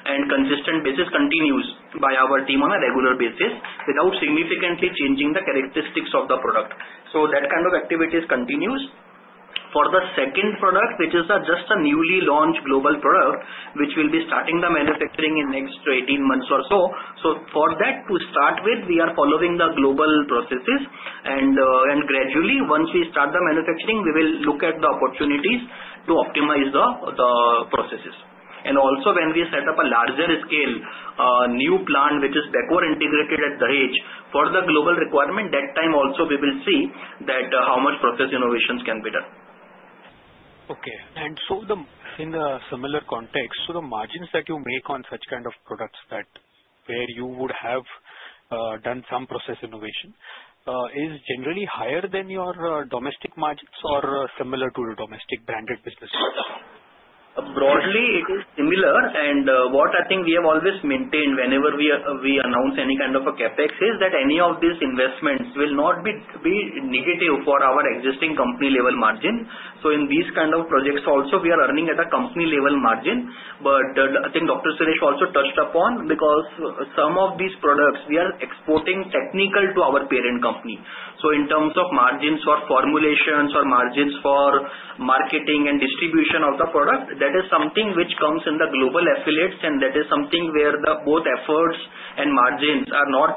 and consistent basis continue by our team on a regular basis without significantly changing the characteristics of the product. That kind of activities continues. For the second product, which is just a newly launched global product, which will be starting the manufacturing in the next 18 months or so. So for that to start with, we are following the global processes. And gradually, once we start the manufacturing, we will look at the opportunities to optimize the processes. And also, when we set up a larger scale, a new plant which is backward integrated at Dahej for the global requirement, that time also we will see how much process innovations can be done. Okay, and so in the similar context, so the margins that you make on such kind of products where you would have done some process innovation is generally higher than your domestic margins or similar to the domestic branded business? Broadly, it is similar. And what I think we have always maintained whenever we announce any kind of a CapEx is that any of these investments will not be negative for our existing company-level margin. So in these kinds of projects also, we are earning at a company-level margin. But I think Dr. Suresh also touched upon, because some of these products, we are exporting technical to our parent company. So in terms of margins for formulations or margins for marketing and distribution of the product, that is something which comes in the global affiliates, and that is something where both efforts and margins are not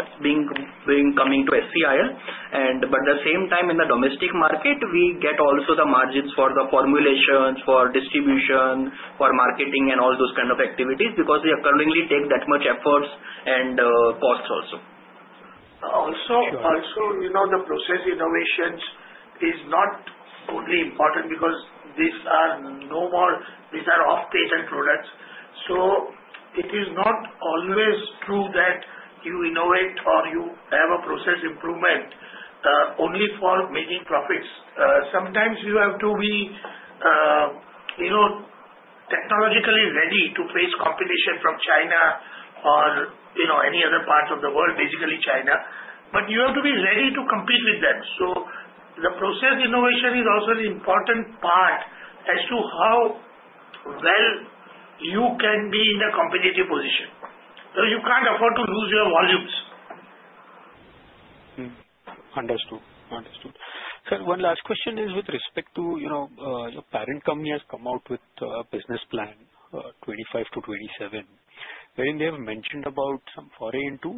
coming to SCIL. But at the same time, in the domestic market, we get also the margins for the formulations, for distribution, for marketing, and all those kinds of activities because we accordingly take that much efforts and costs also. Also, the process innovations is not only important because these are no more; these are off-patent products. So it is not always true that you innovate or you have a process improvement only for making profits. Sometimes you have to be technologically ready to face competition from China or any other part of the world, basically China. But you have to be ready to compete with them. So the process innovation is also an important part as to how well you can be in a competitive position. So you can't afford to lose your volumes. Understood. Understood. Sir, one last question is with respect to your parent company has come out with a business plan 2025 to 2027, wherein they have mentioned about some foray into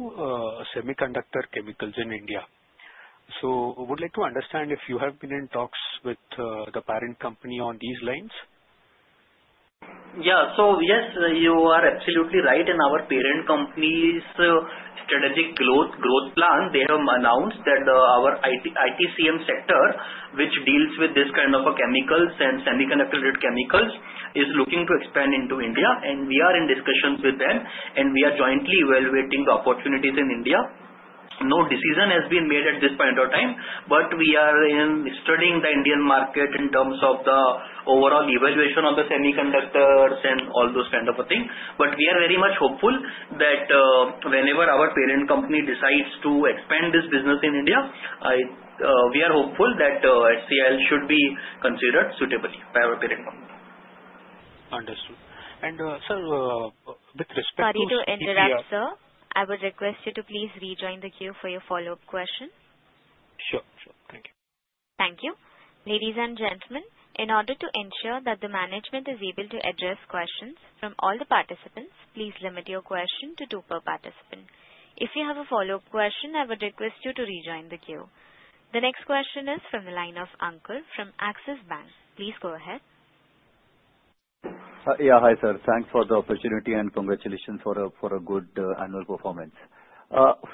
semiconductor chemicals in India. So I would like to understand if you have been in talks with the parent company on these lines? Yeah. So yes, you are absolutely right. Our parent company's strategic growth plan, they have announced that our ITCM sector, which deals with this kind of chemicals and semiconductor chemicals, is looking to expand into India. We are in discussions with them, and we are jointly evaluating the opportunities in India. No decision has been made at this point of time, but we are studying the Indian market in terms of the overall evaluation of the semiconductors and all those kinds of things. We are very much hopeful that whenever our parent company decides to expand this business in India, we are hopeful that SCIL should be considered suitably by our parent company. Understood. And sir, with respect to. Sorry to interrupt, sir. I would request you to please rejoin the queue for your follow-up question. Sure. Sure. Thank you. Thank you. Ladies and gentlemen, in order to ensure that the management is able to address questions from all the participants, please limit your question to two per participant. If you have a follow-up question, I would request you to rejoin the queue. The next question is from the line of Ankur from Axis Bank. Please go ahead. Yeah. Hi, sir. Thanks for the opportunity and congratulations for a good annual performance.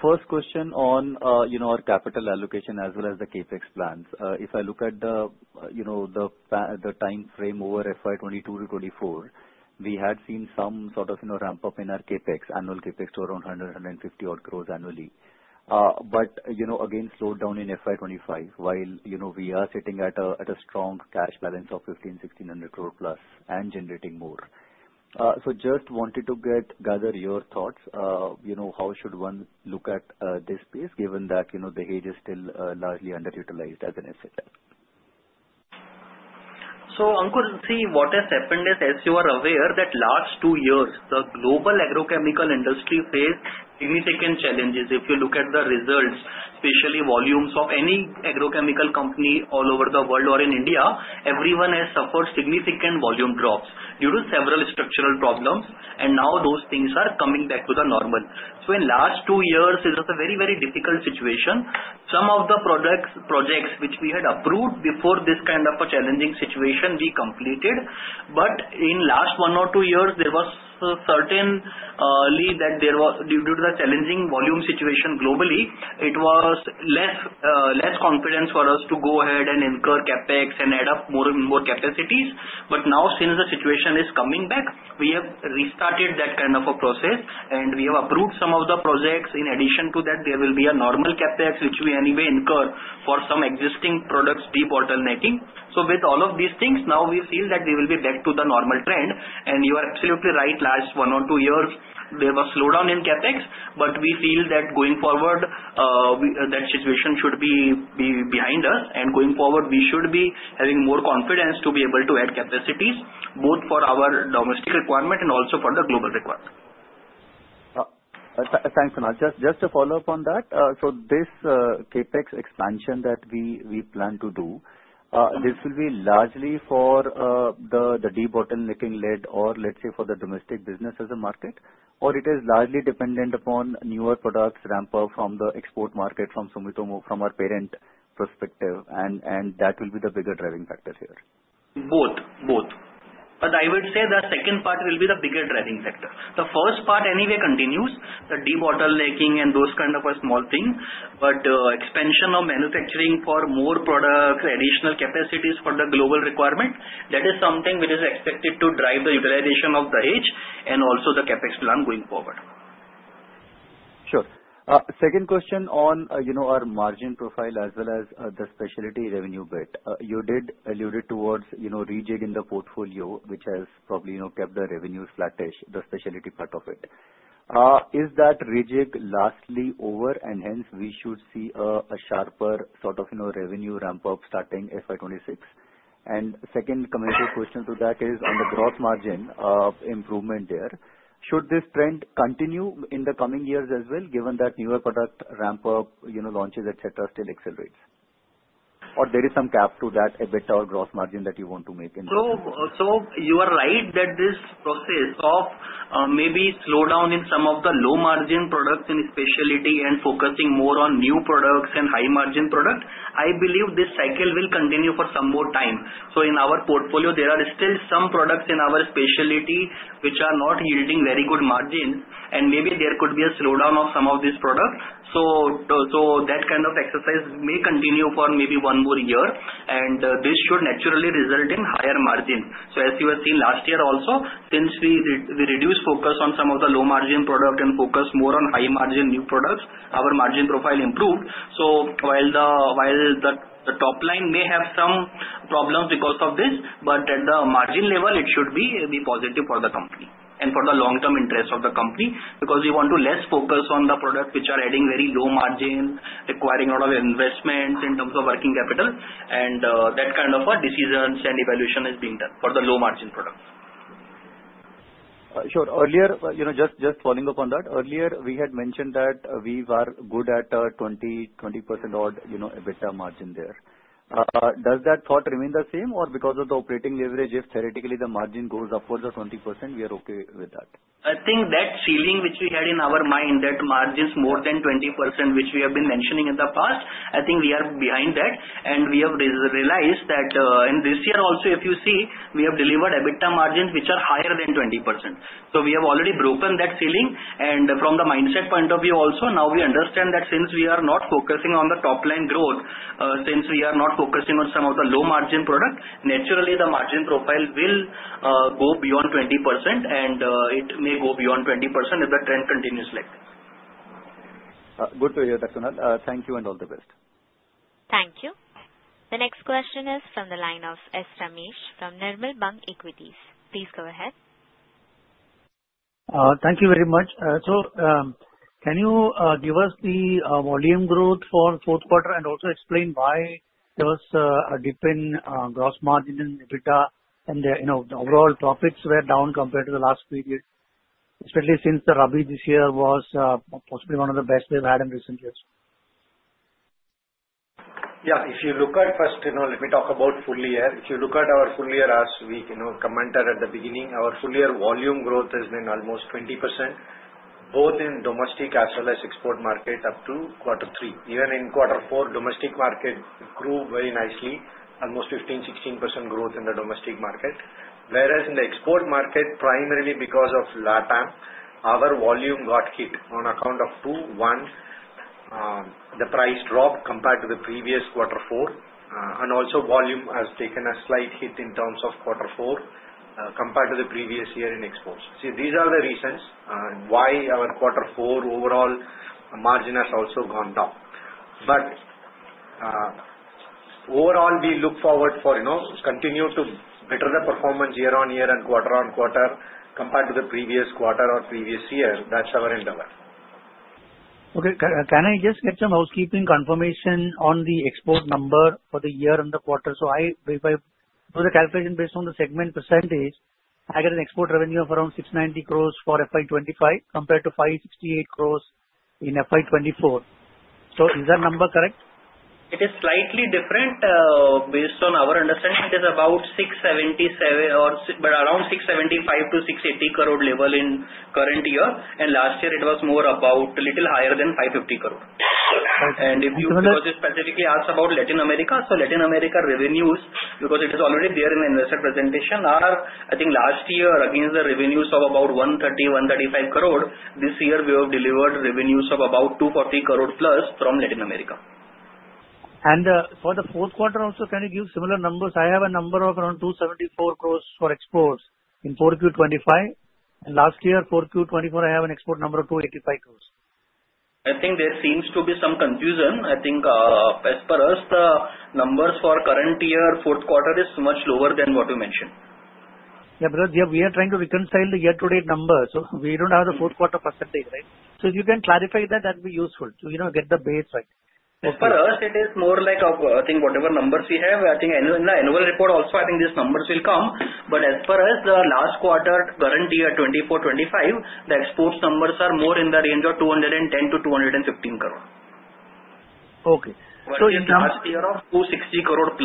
First question on our capital allocation as well as the CapEx plans. If I look at the time frame over FY22 to FY24, we had seen some sort of ramp up in our CapEx, annual CapEx to around 100-150 crore annually, but again, slowed down in FY25 while we are sitting at a strong cash balance of 150-1,600 crore plus and generating more. So just wanted to gather your thoughts. How should one look at this space given that the assets are still largely underutilized as an asset? So Ankur, see, what has happened is, as you are aware, that last two years, the global agrochemical industry faced significant challenges. If you look at the results, especially volumes of any agrochemical company all over the world or in India, everyone has suffered significant volume drops due to several structural problems, and now those things are coming back to the normal. So in the last two years, it was a very, very difficult situation. Some of the projects which we had approved before this kind of a challenging situation, we completed. But in the last one or two years, there was certainly that due to the challenging volume situation globally, it was less confidence for us to go ahead and incur CapEx and add up more and more capacities. But now, since the situation is coming back, we have restarted that kind of a process, and we have approved some of the projects. In addition to that, there will be a normal CapEx, which we anyway incur for some existing products de-bottlenecking. So with all of these things, now we feel that we will be back to the normal trend. And you are absolutely right. Last one or two years, there was a slowdown in CapEx, but we feel that going forward, that situation should be behind us. And going forward, we should be having more confidence to be able to add capacities both for our domestic requirement and also for the global requirement. Thanks, Kunal. Just to follow up on that, so this Capex expansion that we plan to do, this will be largely for the de-bottlenecking led, or let's say for the domestic business as a market, or it is largely dependent upon newer products ramp up from the export market from Sumitomo from our parent perspective? And that will be the bigger driving factor here? Both. Both, but I would say the second part will be the bigger driving factor. The first part anyway continues, the de-bottlenecking and those kinds of small things, but expansion of manufacturing for more products, additional capacities for the global requirement, that is something which is expected to drive the utilization of Dahej and also the Capex plan going forward. Sure. Second question on our margin profile as well as the specialty revenue bit. You did allude towards rejig in the portfolio, which has probably kept the revenue flat-ish, the specialty part of it. Is that rejig largely over, and hence we should see a sharper sort of revenue ramp up starting FY26? And second commentary question to that is on the gross margin improvement there. Should this trend continue in the coming years as well, given that newer product ramp up, launches, etc., still accelerates? Or there is some cap to that a bit of gross margin that you want to make in the future? You are right that this process of maybe slowdown in some of the low-margin products in specialty and focusing more on new products and high-margin products. I believe this cycle will continue for some more time. So in our portfolio, there are still some products in our specialty which are not yielding very good margins, and maybe there could be a slowdown of some of these products. So that kind of exercise may continue for maybe one more year, and this should naturally result in higher margins. So as you have seen last year also, since we reduced focus on some of the low-margin product and focused more on high-margin new products, our margin profile improved. So while the top line may have some problems because of this, but at the margin level, it should be positive for the company and for the long-term interest of the company because we want to less focus on the products which are adding very low margin, requiring a lot of investments in terms of working capital. And that kind of decisions and evaluation is being done for the low-margin products. Sure. Just following up on that, earlier we had mentioned that we were good at 20% odd EBITDA margin there. Does that thought remain the same, or because of the operating leverage, if theoretically the margin goes upwards of 20%, we are okay with that? I think that feeling which we had in our mind that margins more than 20%, which we have been mentioning in the past, I think we are behind that. And we have realized that in this year also, if you see, we have delivered EBITDA margins which are higher than 20%. So we have already broken that ceiling. And from the mindset point of view also, now we understand that since we are not focusing on the top-line growth, since we are not focusing on some of the low-margin product, naturally the margin profile will go beyond 20%, and it may go beyond 20% if the trend continues like this. Good to hear that, Kunal. Thank you and all the best. Thank you. The next question is from the line of S. Ramesh from Nirmal Bang Equities. Please go ahead. Thank you very much. So can you give us the volume growth for the fourth quarter and also explain why there was a dip in gross margin and EBITDA and the overall profits were down compared to the last period, especially since the Rabi this year was possibly one of the best we've had in recent years? Yeah. If you look at first, let me talk about full year. If you look at our full year as we commented at the beginning, our full year volume growth has been almost 20% both in domestic as well as export market up to quarter three. Even in quarter four, domestic market grew very nicely, almost 15%-16% growth in the domestic market. Whereas in the export market, primarily because of LATAM, our volume got hit on account of two, one. The price dropped compared to the previous quarter four. And also, volume has taken a slight hit in terms of quarter four compared to the previous year in exports. See, these are the reasons why our quarter four overall margin has also gone down. But overall, we look forward for continue to better the performance year-on-year and quarter-on-quarter compared to the previous quarter or previous year. That's our end of it. Okay. Can I just get some housekeeping confirmation on the export number for the year and the quarter? So if I do the calculation based on the segment percentage, I get an export revenue of around 690 crores for FY25 compared to 568 crores in FY24. So is that number correct? It is slightly different based on our understanding. It is about 677 or around 675-680 crore level in current year. And last year, it was more about a little higher than 550 crore. And if you specifically ask about Latin America, so Latin America revenues, because it is already there in the investor presentation, are I think last year against the revenues of about 130-135 crore, this year we have delivered revenues of about 240 crore+ from Latin America. And for the fourth quarter also, can you give similar numbers? I have a number of around 274 crores for exports in 4Q 2025. And last year, 4Q 2024, I have an export number of 285 crores. I think there seems to be some confusion. I think as per us, the numbers for current year, fourth quarter is much lower than what you mentioned. Yeah, because we are trying to reconcile the year-to-date numbers. So we don't have the fourth quarter percentage, right? So if you can clarify that, that would be useful to get the base right. As per us, it is more like I think whatever numbers we have, I think in the annual report also, I think these numbers will come. But as per us, the last quarter current year 24-25, the exports numbers are more in the range of 210-215 crore. Okay. So in the last year of 260 crore+.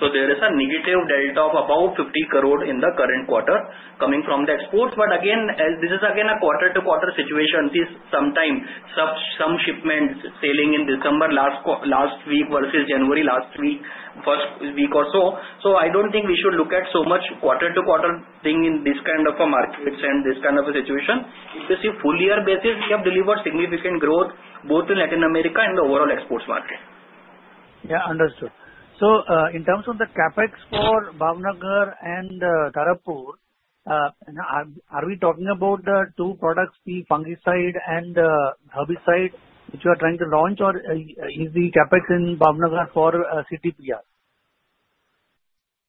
So there is a negative delta of about 50 crore in the current quarter coming from the exports. But again, this is again a quarter-to-quarter situation. Sometimes some shipments sailing in December last week versus January last week, first week or so. So I don't think we should look at so much quarter-to-quarter thing in this kind of a market and this kind of a situation. If you see full year basis, we have delivered significant growth both in Latin America and the overall exports market. Yeah, understood. So in terms of the CapEx for Bhavnagar and Tarapur, are we talking about the two products, the fungicide and herbicide, which you are trying to launch, or is the CapEx in Bhavnagar for CTPR?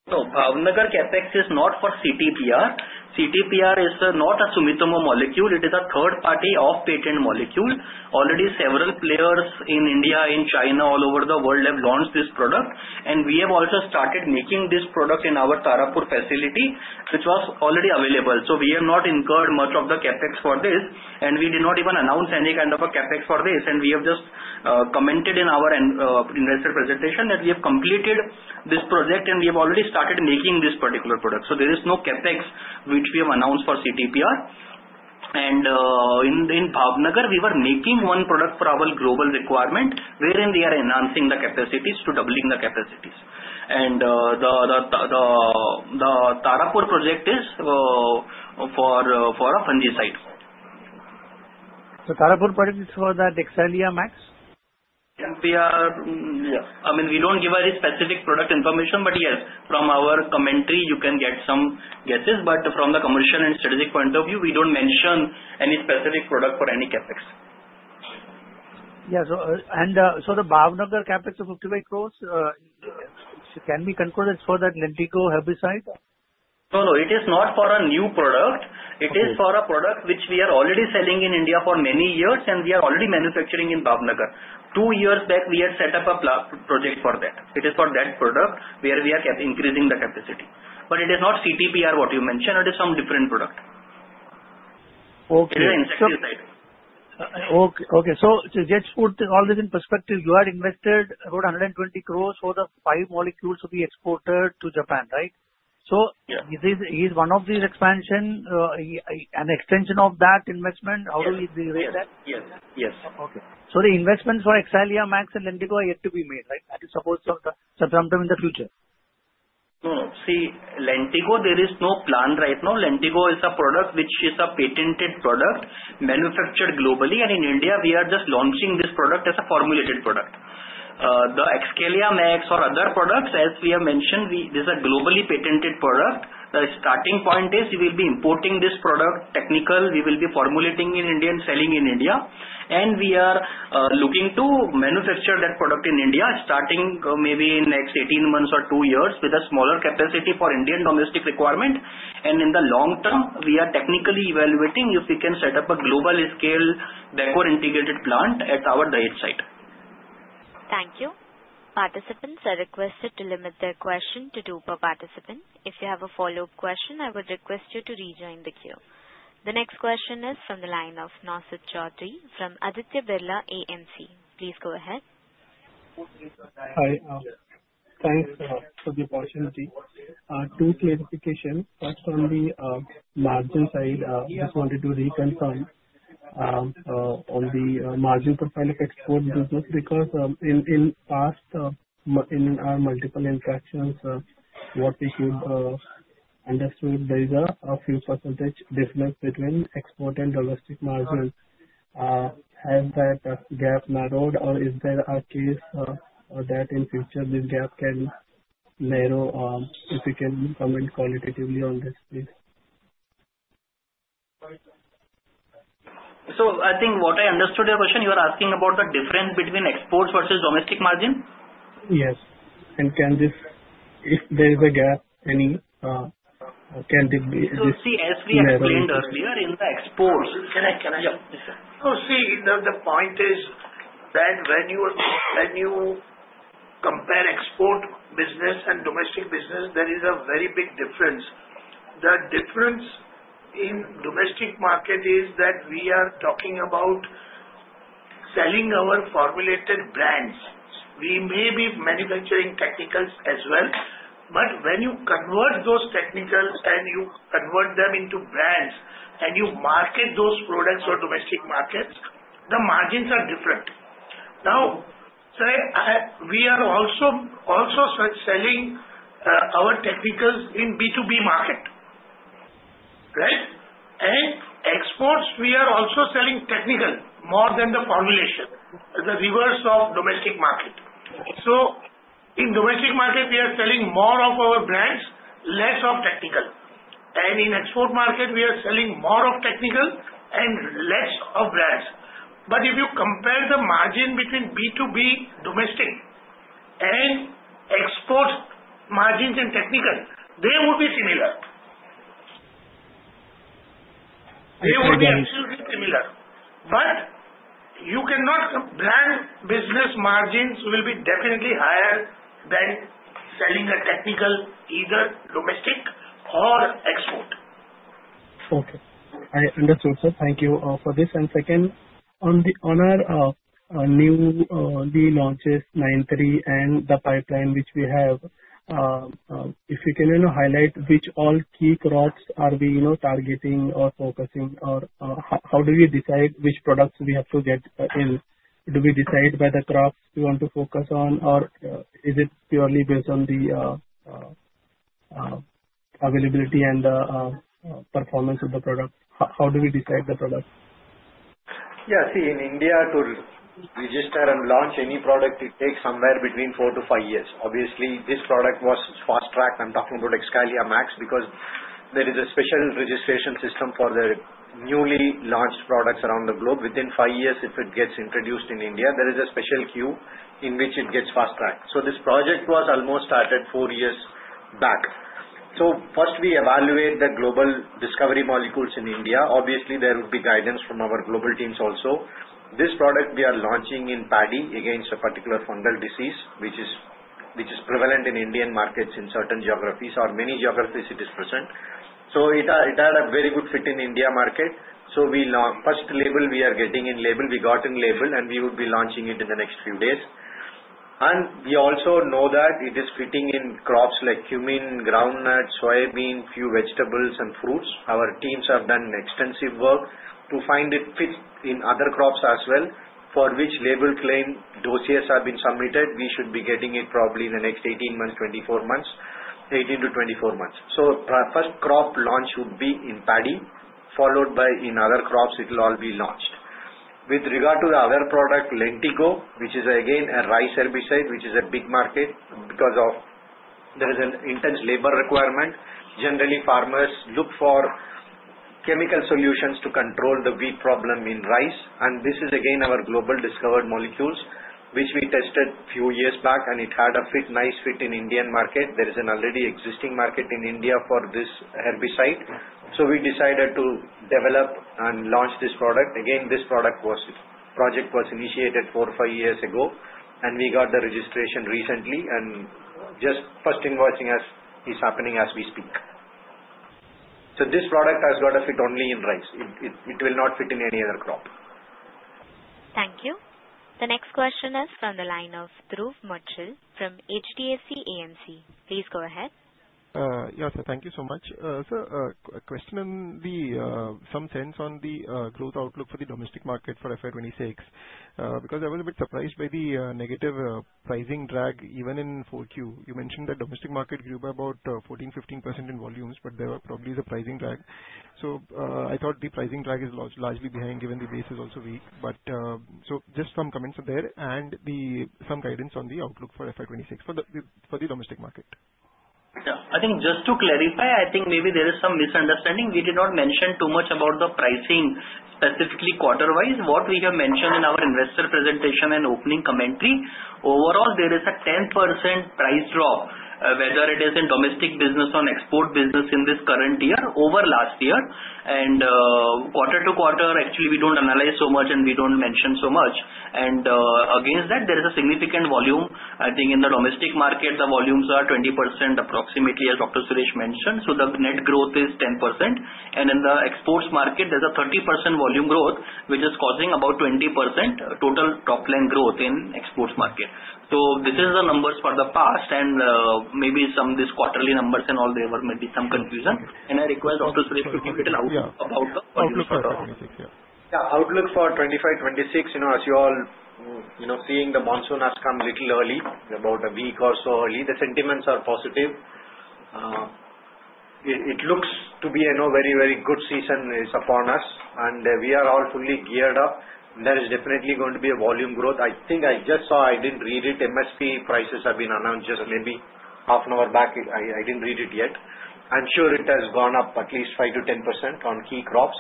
No, Bhavnagar CapEx is not for CTPR. CTPR is not a Sumitomo molecule. It is a third-party off-patent molecule. Already several players in India, in China, all over the world have launched this product. And we have also started making this product in our Tarapur facility, which was already available. So we have not incurred much of the CapEx for this. And we did not even announce any kind of a CapEx for this. And we have just commented in our investor presentation that we have completed this project and we have already started making this particular product. So there is no CapEx which we have announced for CTPR. And in Bhavnagar, we were making one product for our global requirement, wherein we are enhancing the capacities to doubling the capacities. And the Tarapur project is for a fungicide. Dahej project is for the Excalia Max? Yeah. I mean, we don't give any specific product information, but yes, from our commentary, you can get some guesses. But from the commercial and strategic point of view, we don't mention any specific product for any CapEx. Yeah. So the Bhavnagar CapEx of 55 crore can be concluded for that Lentigo herbicide? No, no. It is not for a new product. It is for a product which we are already selling in India for many years, and we are already manufacturing in Bhavnagar. Two years back, we had set up a project for that. It is for that product where we are increasing the capacity. But it is not CTPR, what you mentioned. It is some different product. It is an insecticide. Okay. So just to put all this in perspective, you had invested about 120 crores for the five molecules to be exported to Japan, right? So is one of these expansion an extension of that investment? How do we rate that? Yes. Yes. Okay, so the investments for Excalia Max and Lentigo are yet to be made, right? That is supposed to happen in the future. No. See, Lentigo, there is no plan right now. Lentigo is a product which is a patented product manufactured globally. And in India, we are just launching this product as a formulated product. The Excalia Max or other products, as we have mentioned, this is a globally patented product. The starting point is we will be importing this product technical. We will be formulating in India and selling in India. And we are looking to manufacture that product in India, starting maybe in next 18 months or two years with a smaller capacity for Indian domestic requirement. And in the long term, we are technically evaluating if we can set up a global-scale backward integrated plant at our Dahej site. Thank you. Participants are requested to limit their question to two per participant. If you have a follow-up question, I would request you to rejoin the queue. The next question is from the line of Naushad Chaudhary from Aditya Birla AMC. Please go ahead. Hi. Thanks for the opportunity. Two clarifications. First, on the margin side, I just wanted to reconfirm on the margin profile of export business because in past, in our multiple interactions, what we could understand, there is a few percentage difference between export and domestic margins. Has that gap narrowed, or is there a case that in future, this gap can narrow? If you can comment qualitatively on this, please. So I think what I understood your question, you are asking about the difference between exports versus domestic margin? Yes. And can this, if there is a gap, can this be? See, as we explained earlier in the exports. Yes. So, see, the point is that when you compare export business and domestic business, there is a very big difference. The difference in domestic market is that we are talking about selling our formulated brands. We may be manufacturing technicals as well. But when you convert those technicals and you convert them into brands and you market those products for domestic markets, the margins are different. Now, we are also selling our technicals in B2B market, right? And exports, we are also selling technical more than the formulation, the reverse of domestic market. So in domestic market, we are selling more of our brands, less of technical. And in export market, we are selling more of technical and less of brands. But if you compare the margin between B2B domestic and export margins and technical, they would be similar. They would be absolutely similar. But your branded business margins will be definitely higher than selling a technical, either domestic or export. Okay. I understood, sir. Thank you for this. And second, on our new launches, 93 and the pipeline which we have, if you can highlight which all key crops are we targeting or focusing on? How do we decide which products we have to get in? Do we decide by the crops we want to focus on, or is it purely based on the availability and the performance of the product? How do we decide the product? Yeah. See, in India, to register and launch any product, it takes somewhere between four to five years. Obviously, this product was fast-tracked. I'm talking about Excalia Max because there is a special registration system for the newly launched products around the globe. Within five years, if it gets introduced in India, there is a special queue in which it gets fast-tracked. So this project was almost started four years back. So first, we evaluate the global discovery molecules in India. Obviously, there would be guidance from our global teams also. This product, we are launching in paddy against a particular fungal disease, which is prevalent in Indian markets in certain geographies or many geographies it is present. So it had a very good fit in India market. So first label, we are getting in label. We got the label, and we would be launching it in the next few days. We also know that it is fitting in crops like cumin, groundnut, soybean, few vegetables, and fruits. Our teams have done extensive work to find it fits in other crops as well. For which label claim dossiers have been submitted, we should be getting it probably in the next 18-24 months, so first crop launch would be in paddy, followed by in other crops. It will all be launched. With regard to the other product, Lentigo, which is again a rice herbicide, which is a big market because there is an intense labor requirement. Generally, farmers look for chemical solutions to control the weed problem in rice. This is again our global discovered molecules, which we tested a few years back, and it had a nice fit in Indian market. There is an already existing market in India for this herbicide. We decided to develop and launch this product. Again, this project was initiated four or five years ago, and we got the registration recently. Just first invoicing is happening as we speak. This product has got to fit only in rice. It will not fit in any other crop. Thank you. The next question is from the line of Dhruv Muchhal from HDFC AMC. Please go ahead. Yeah, sir, thank you so much. Sir, a question in some sense on the growth outlook for the domestic market for FY26 because I was a bit surprised by the negative pricing drag even in 4Q. You mentioned that domestic market grew by about 14-15% in volumes, but there were probably the pricing drag. So I thought the pricing drag is largely behind given the base is also weak. But so just some comments on there and some guidance on the outlook for FY26 for the domestic market. Yeah. I think just to clarify, I think maybe there is some misunderstanding. We did not mention too much about the pricing, specifically quarter-wise. What we have mentioned in our investor presentation and opening commentary, overall, there is a 10% price drop, whether it is in domestic business or export business in this current year over last year. And quarter to quarter, actually, we don't analyze so much, and we don't mention so much. And against that, there is a significant volume. I think in the domestic market, the volumes are 20% approximately, as Dr. Suresh mentioned. So the net growth is 10%. And in the exports market, there's a 30% volume growth, which is causing about 20% total top-line growth in exports market. So this is the numbers for the past and maybe some of these quarterly numbers and all there were maybe some confusion. And I request Dr. Suresh to comment about the outlook for 2026. Yeah. Outlook for 25-26, as you all seeing, the monsoon has come a little early, about a week or so early. The sentiments are positive. It looks to be a very, very good season is upon us, and we are all fully geared up. There is definitely going to be a volume growth. I think I just saw, I didn't read it, MSP prices have been announced just maybe half an hour back. I didn't read it yet. I'm sure it has gone up at least 5%-10% on key crops.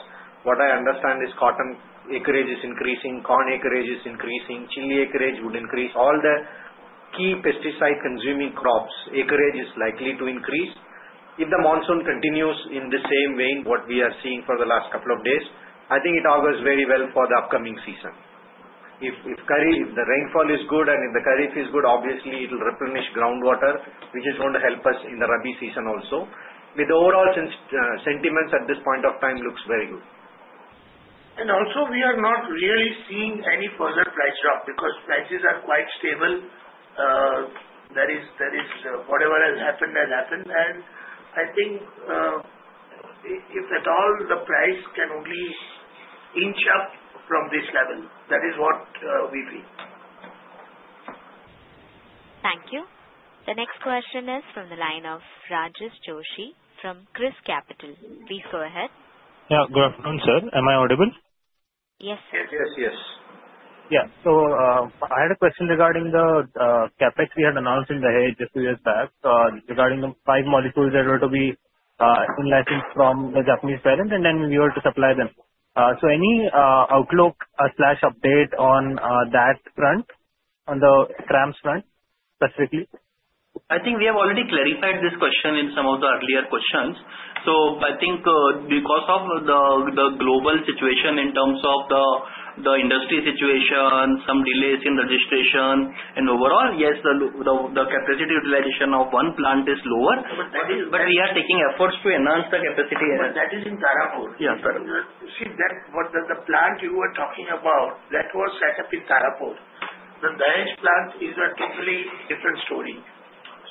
What I understand is cotton acreage is increasing, corn acreage is increasing, chili acreage would increase. All the key pesticide-consuming crops' acreage is likely to increase. If the monsoon continues in the same vein what we are seeing for the last couple of days, I think it augurs very well for the upcoming season. If the rainfall is good and if the Kharif is good, obviously, it will replenish groundwater, which is going to help us in the Rabi season also. With overall sentiments at this point of time, it looks very good. And also, we are not really seeing any further price drop because prices are quite stable. Whatever has happened, has happened. And I think if at all, the price can only inch up from this level. That is what we feel. Thank you. The next question is from the line of Rajas Joshi from ChrysCapital. Please go ahead. Yeah. Good afternoon, sir. Am I audible? Yes, sir. Yes, yes, yes. Yeah, so I had a question regarding the CapEx we had announced just a few years back regarding the five molecules that were to be sourced from the Japanese parent, and then we were to supply them, so any outlook/update on that front, on the CRAMS front specifically? I think we have already clarified this question in some of the earlier questions. So I think because of the global situation in terms of the industry situation, some delays in registration, and overall, yes, the capacity utilization of one plant is lower. But we are taking efforts to enhance the capacity. But that is in Tarapur. Yes, sir. See, that was the plant you were talking about. That was set up in Tarapur. The Dahej plant is a totally different story.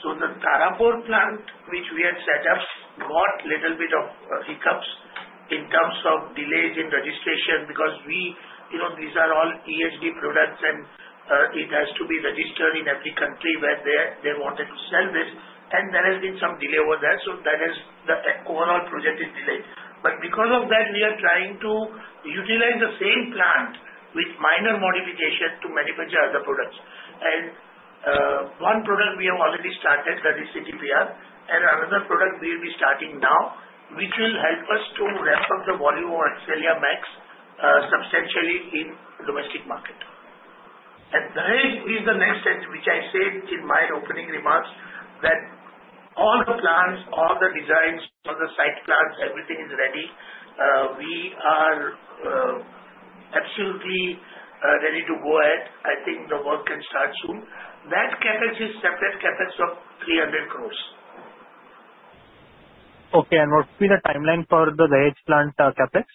So the Tarapur plant, which we had set up, got a little bit of hiccups in terms of delays in registration because these are all EHD products, and it has to be registered in every country where they wanted to sell this. And there has been some delay over there. So that is the overall project is delayed. But because of that, we are trying to utilize the same plant with minor modification to many other products. And one product we have already started, that is CTPR, and another product we will be starting now, which will help us to ramp up the volume of Excalia Max substantially in the domestic market. Dahej is the next, which I said in my opening remarks, that all the plants, all the designs, all the site plans, everything is ready. We are absolutely ready to go ahead. I think the work can start soon. That CapEx is separate CapEx of 300 crore. Okay, and what would be the timeline for the Dahej plant CapEx?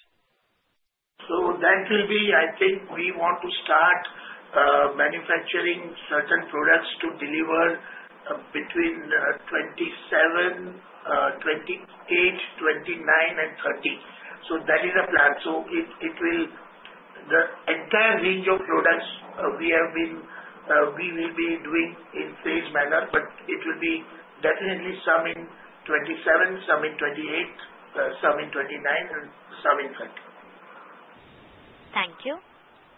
That will be, I think, we want to start manufacturing certain products to deliver between 2027, 2028, 2029, and 2030. That is the plan. The entire range of products we will be doing in phased manner, but it will be definitely some in 2027, some in 2028, some in 2029, and some in 2030. Thank you.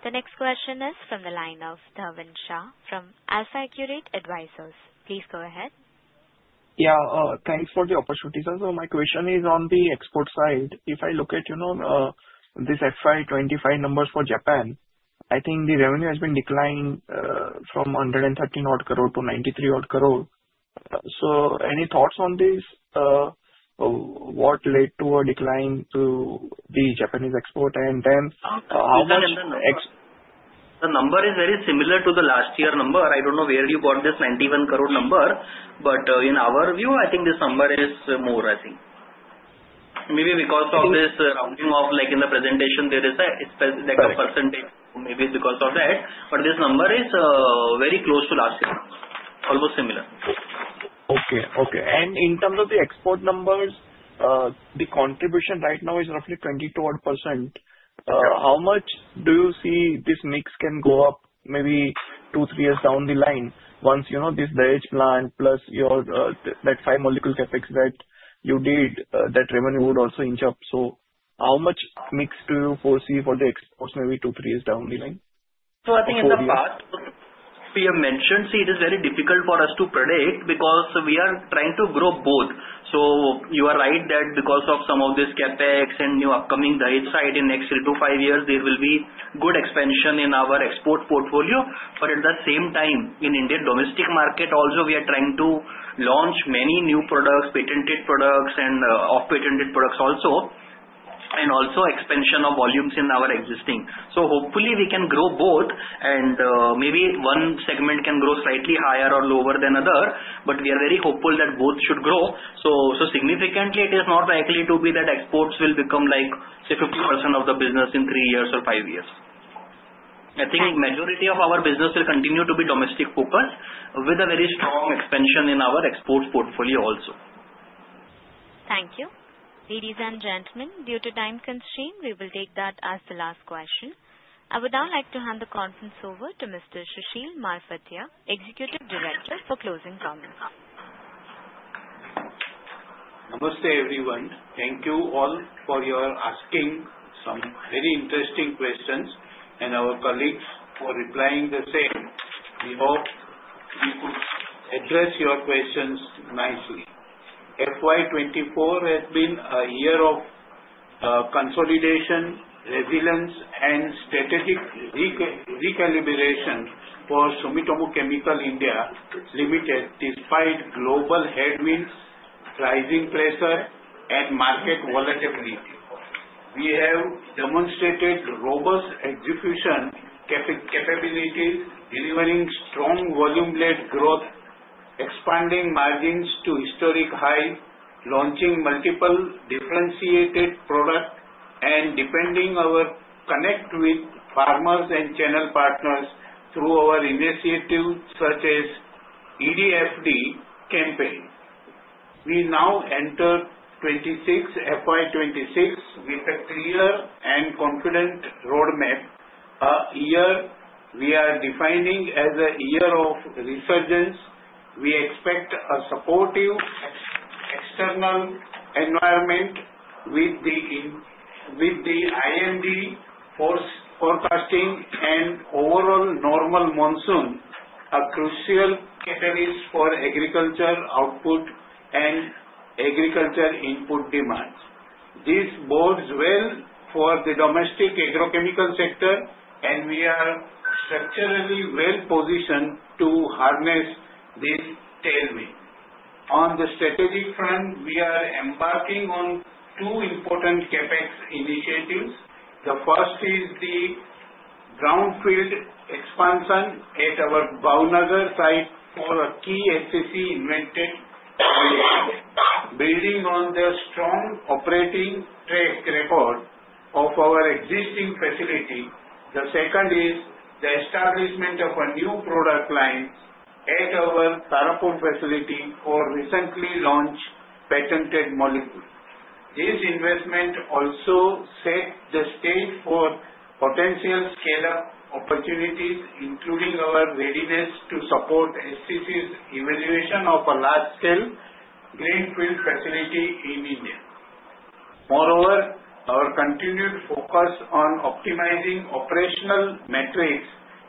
The next question is from the line of Dhavan Shah from AlfAccurate Advisors. Please go ahead. Yeah. Thanks for the opportunity. So my question is on the export side. If I look at this FY25 numbers for Japan, I think the revenue has been declined from 130 crore to 93 crore. So any thoughts on this? What led to a decline to the Japanese export? And then how about? The number is very similar to the last year number. I don't know where you got this 91 crore number, but in our view, I think this number is more, I think. Maybe because of this rounding off, like in the presentation, there is a percentage, maybe because of that. But this number is very close to last year, almost similar. Okay, okay. And in terms of the export numbers, the contribution right now is roughly 22%. How much do you see this mix can go up maybe two, three years down the line once this Dahej plant plus that five molecule CapEx that you did, that revenue would also inch up? So how much mix do you foresee for the exports maybe two, three years down the line? I think in the past, we have mentioned. See, it is very difficult for us to predict because we are trying to grow both. You are right that because of some of these CapEx and new upcoming Dahej site in next three to five years, there will be good expansion in our export portfolio. But at the same time, in India, domestic market also, we are trying to launch many new products, patented products, and off-patent products also, and also expansion of volumes in our existing. Hopefully, we can grow both, and maybe one segment can grow slightly higher or lower than the other, but we are very hopeful that both should grow. Significantly, it is not likely to be that exports will become like, say, 50% of the business in three years or five years. I think majority of our business will continue to be domestic focused with a very strong expansion in our export portfolio also. Thank you. Ladies and gentlemen, due to time constraint, we will take that as the last question. I would now like to hand the conference over to Mr. Sushil Marfatia, Executive Director for closing comments. Namaste everyone. Thank you all for asking some very interesting questions, and our colleagues were replying to the same. We hope we could address your questions nicely. FY24 has been a year of consolidation, resilience, and strategic recalibration for Sumitomo Chemical India Limited despite global headwinds, rising pressure, and market volatility. We have demonstrated robust execution capabilities, delivering strong volume-led growth, expanding margins to historic highs, launching multiple differentiated products, and deepening our connect with farmers and channel partners through our initiative such as EDFD campaign. We now enter FY26 with a clear and confident roadmap. A year we are defining as a year of resurgence. We expect a supportive external environment with the IMD forecasting an overall normal monsoon, a crucial catalyst for agriculture output and agriculture input demands. This bodes well for the domestic agrochemical sector, and we are structurally well positioned to harness this tailwind. On the strategic front, we are embarking on two important CapEx initiatives. The first is the greenfield expansion at our Bhavnagar site for a key SCC invented project, building on the strong operating track record of our existing facility. The second is the establishment of a new product line at our Tarapur facility for a recently launched patented molecule. This investment also sets the stage for potential scale-up opportunities, including our readiness to support SCC's evaluation of a large-scale greenfield facility in India. Moreover, our continued focus on optimizing operational metrics,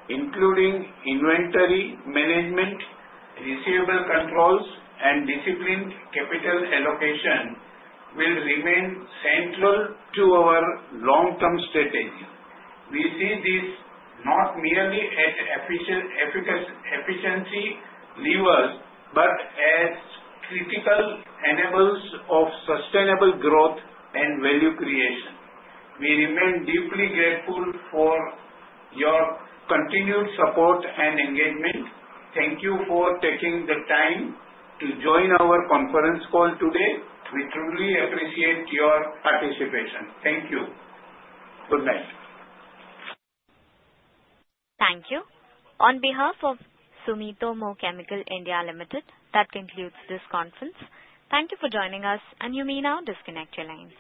including inventory management, receivable controls, and disciplined capital allocation, will remain central to our long-term strategy. We see this not merely as efficiency levers, but as critical enablers of sustainable growth and value creation. We remain deeply grateful for your continued support and engagement. Thank you for taking the time to join our conference call today. We truly appreciate your participation. Thank you. Good night. Thank you. On behalf of Sumitomo Chemical India Limited, that concludes this conference. Thank you for joining us, and you may now disconnect your lines.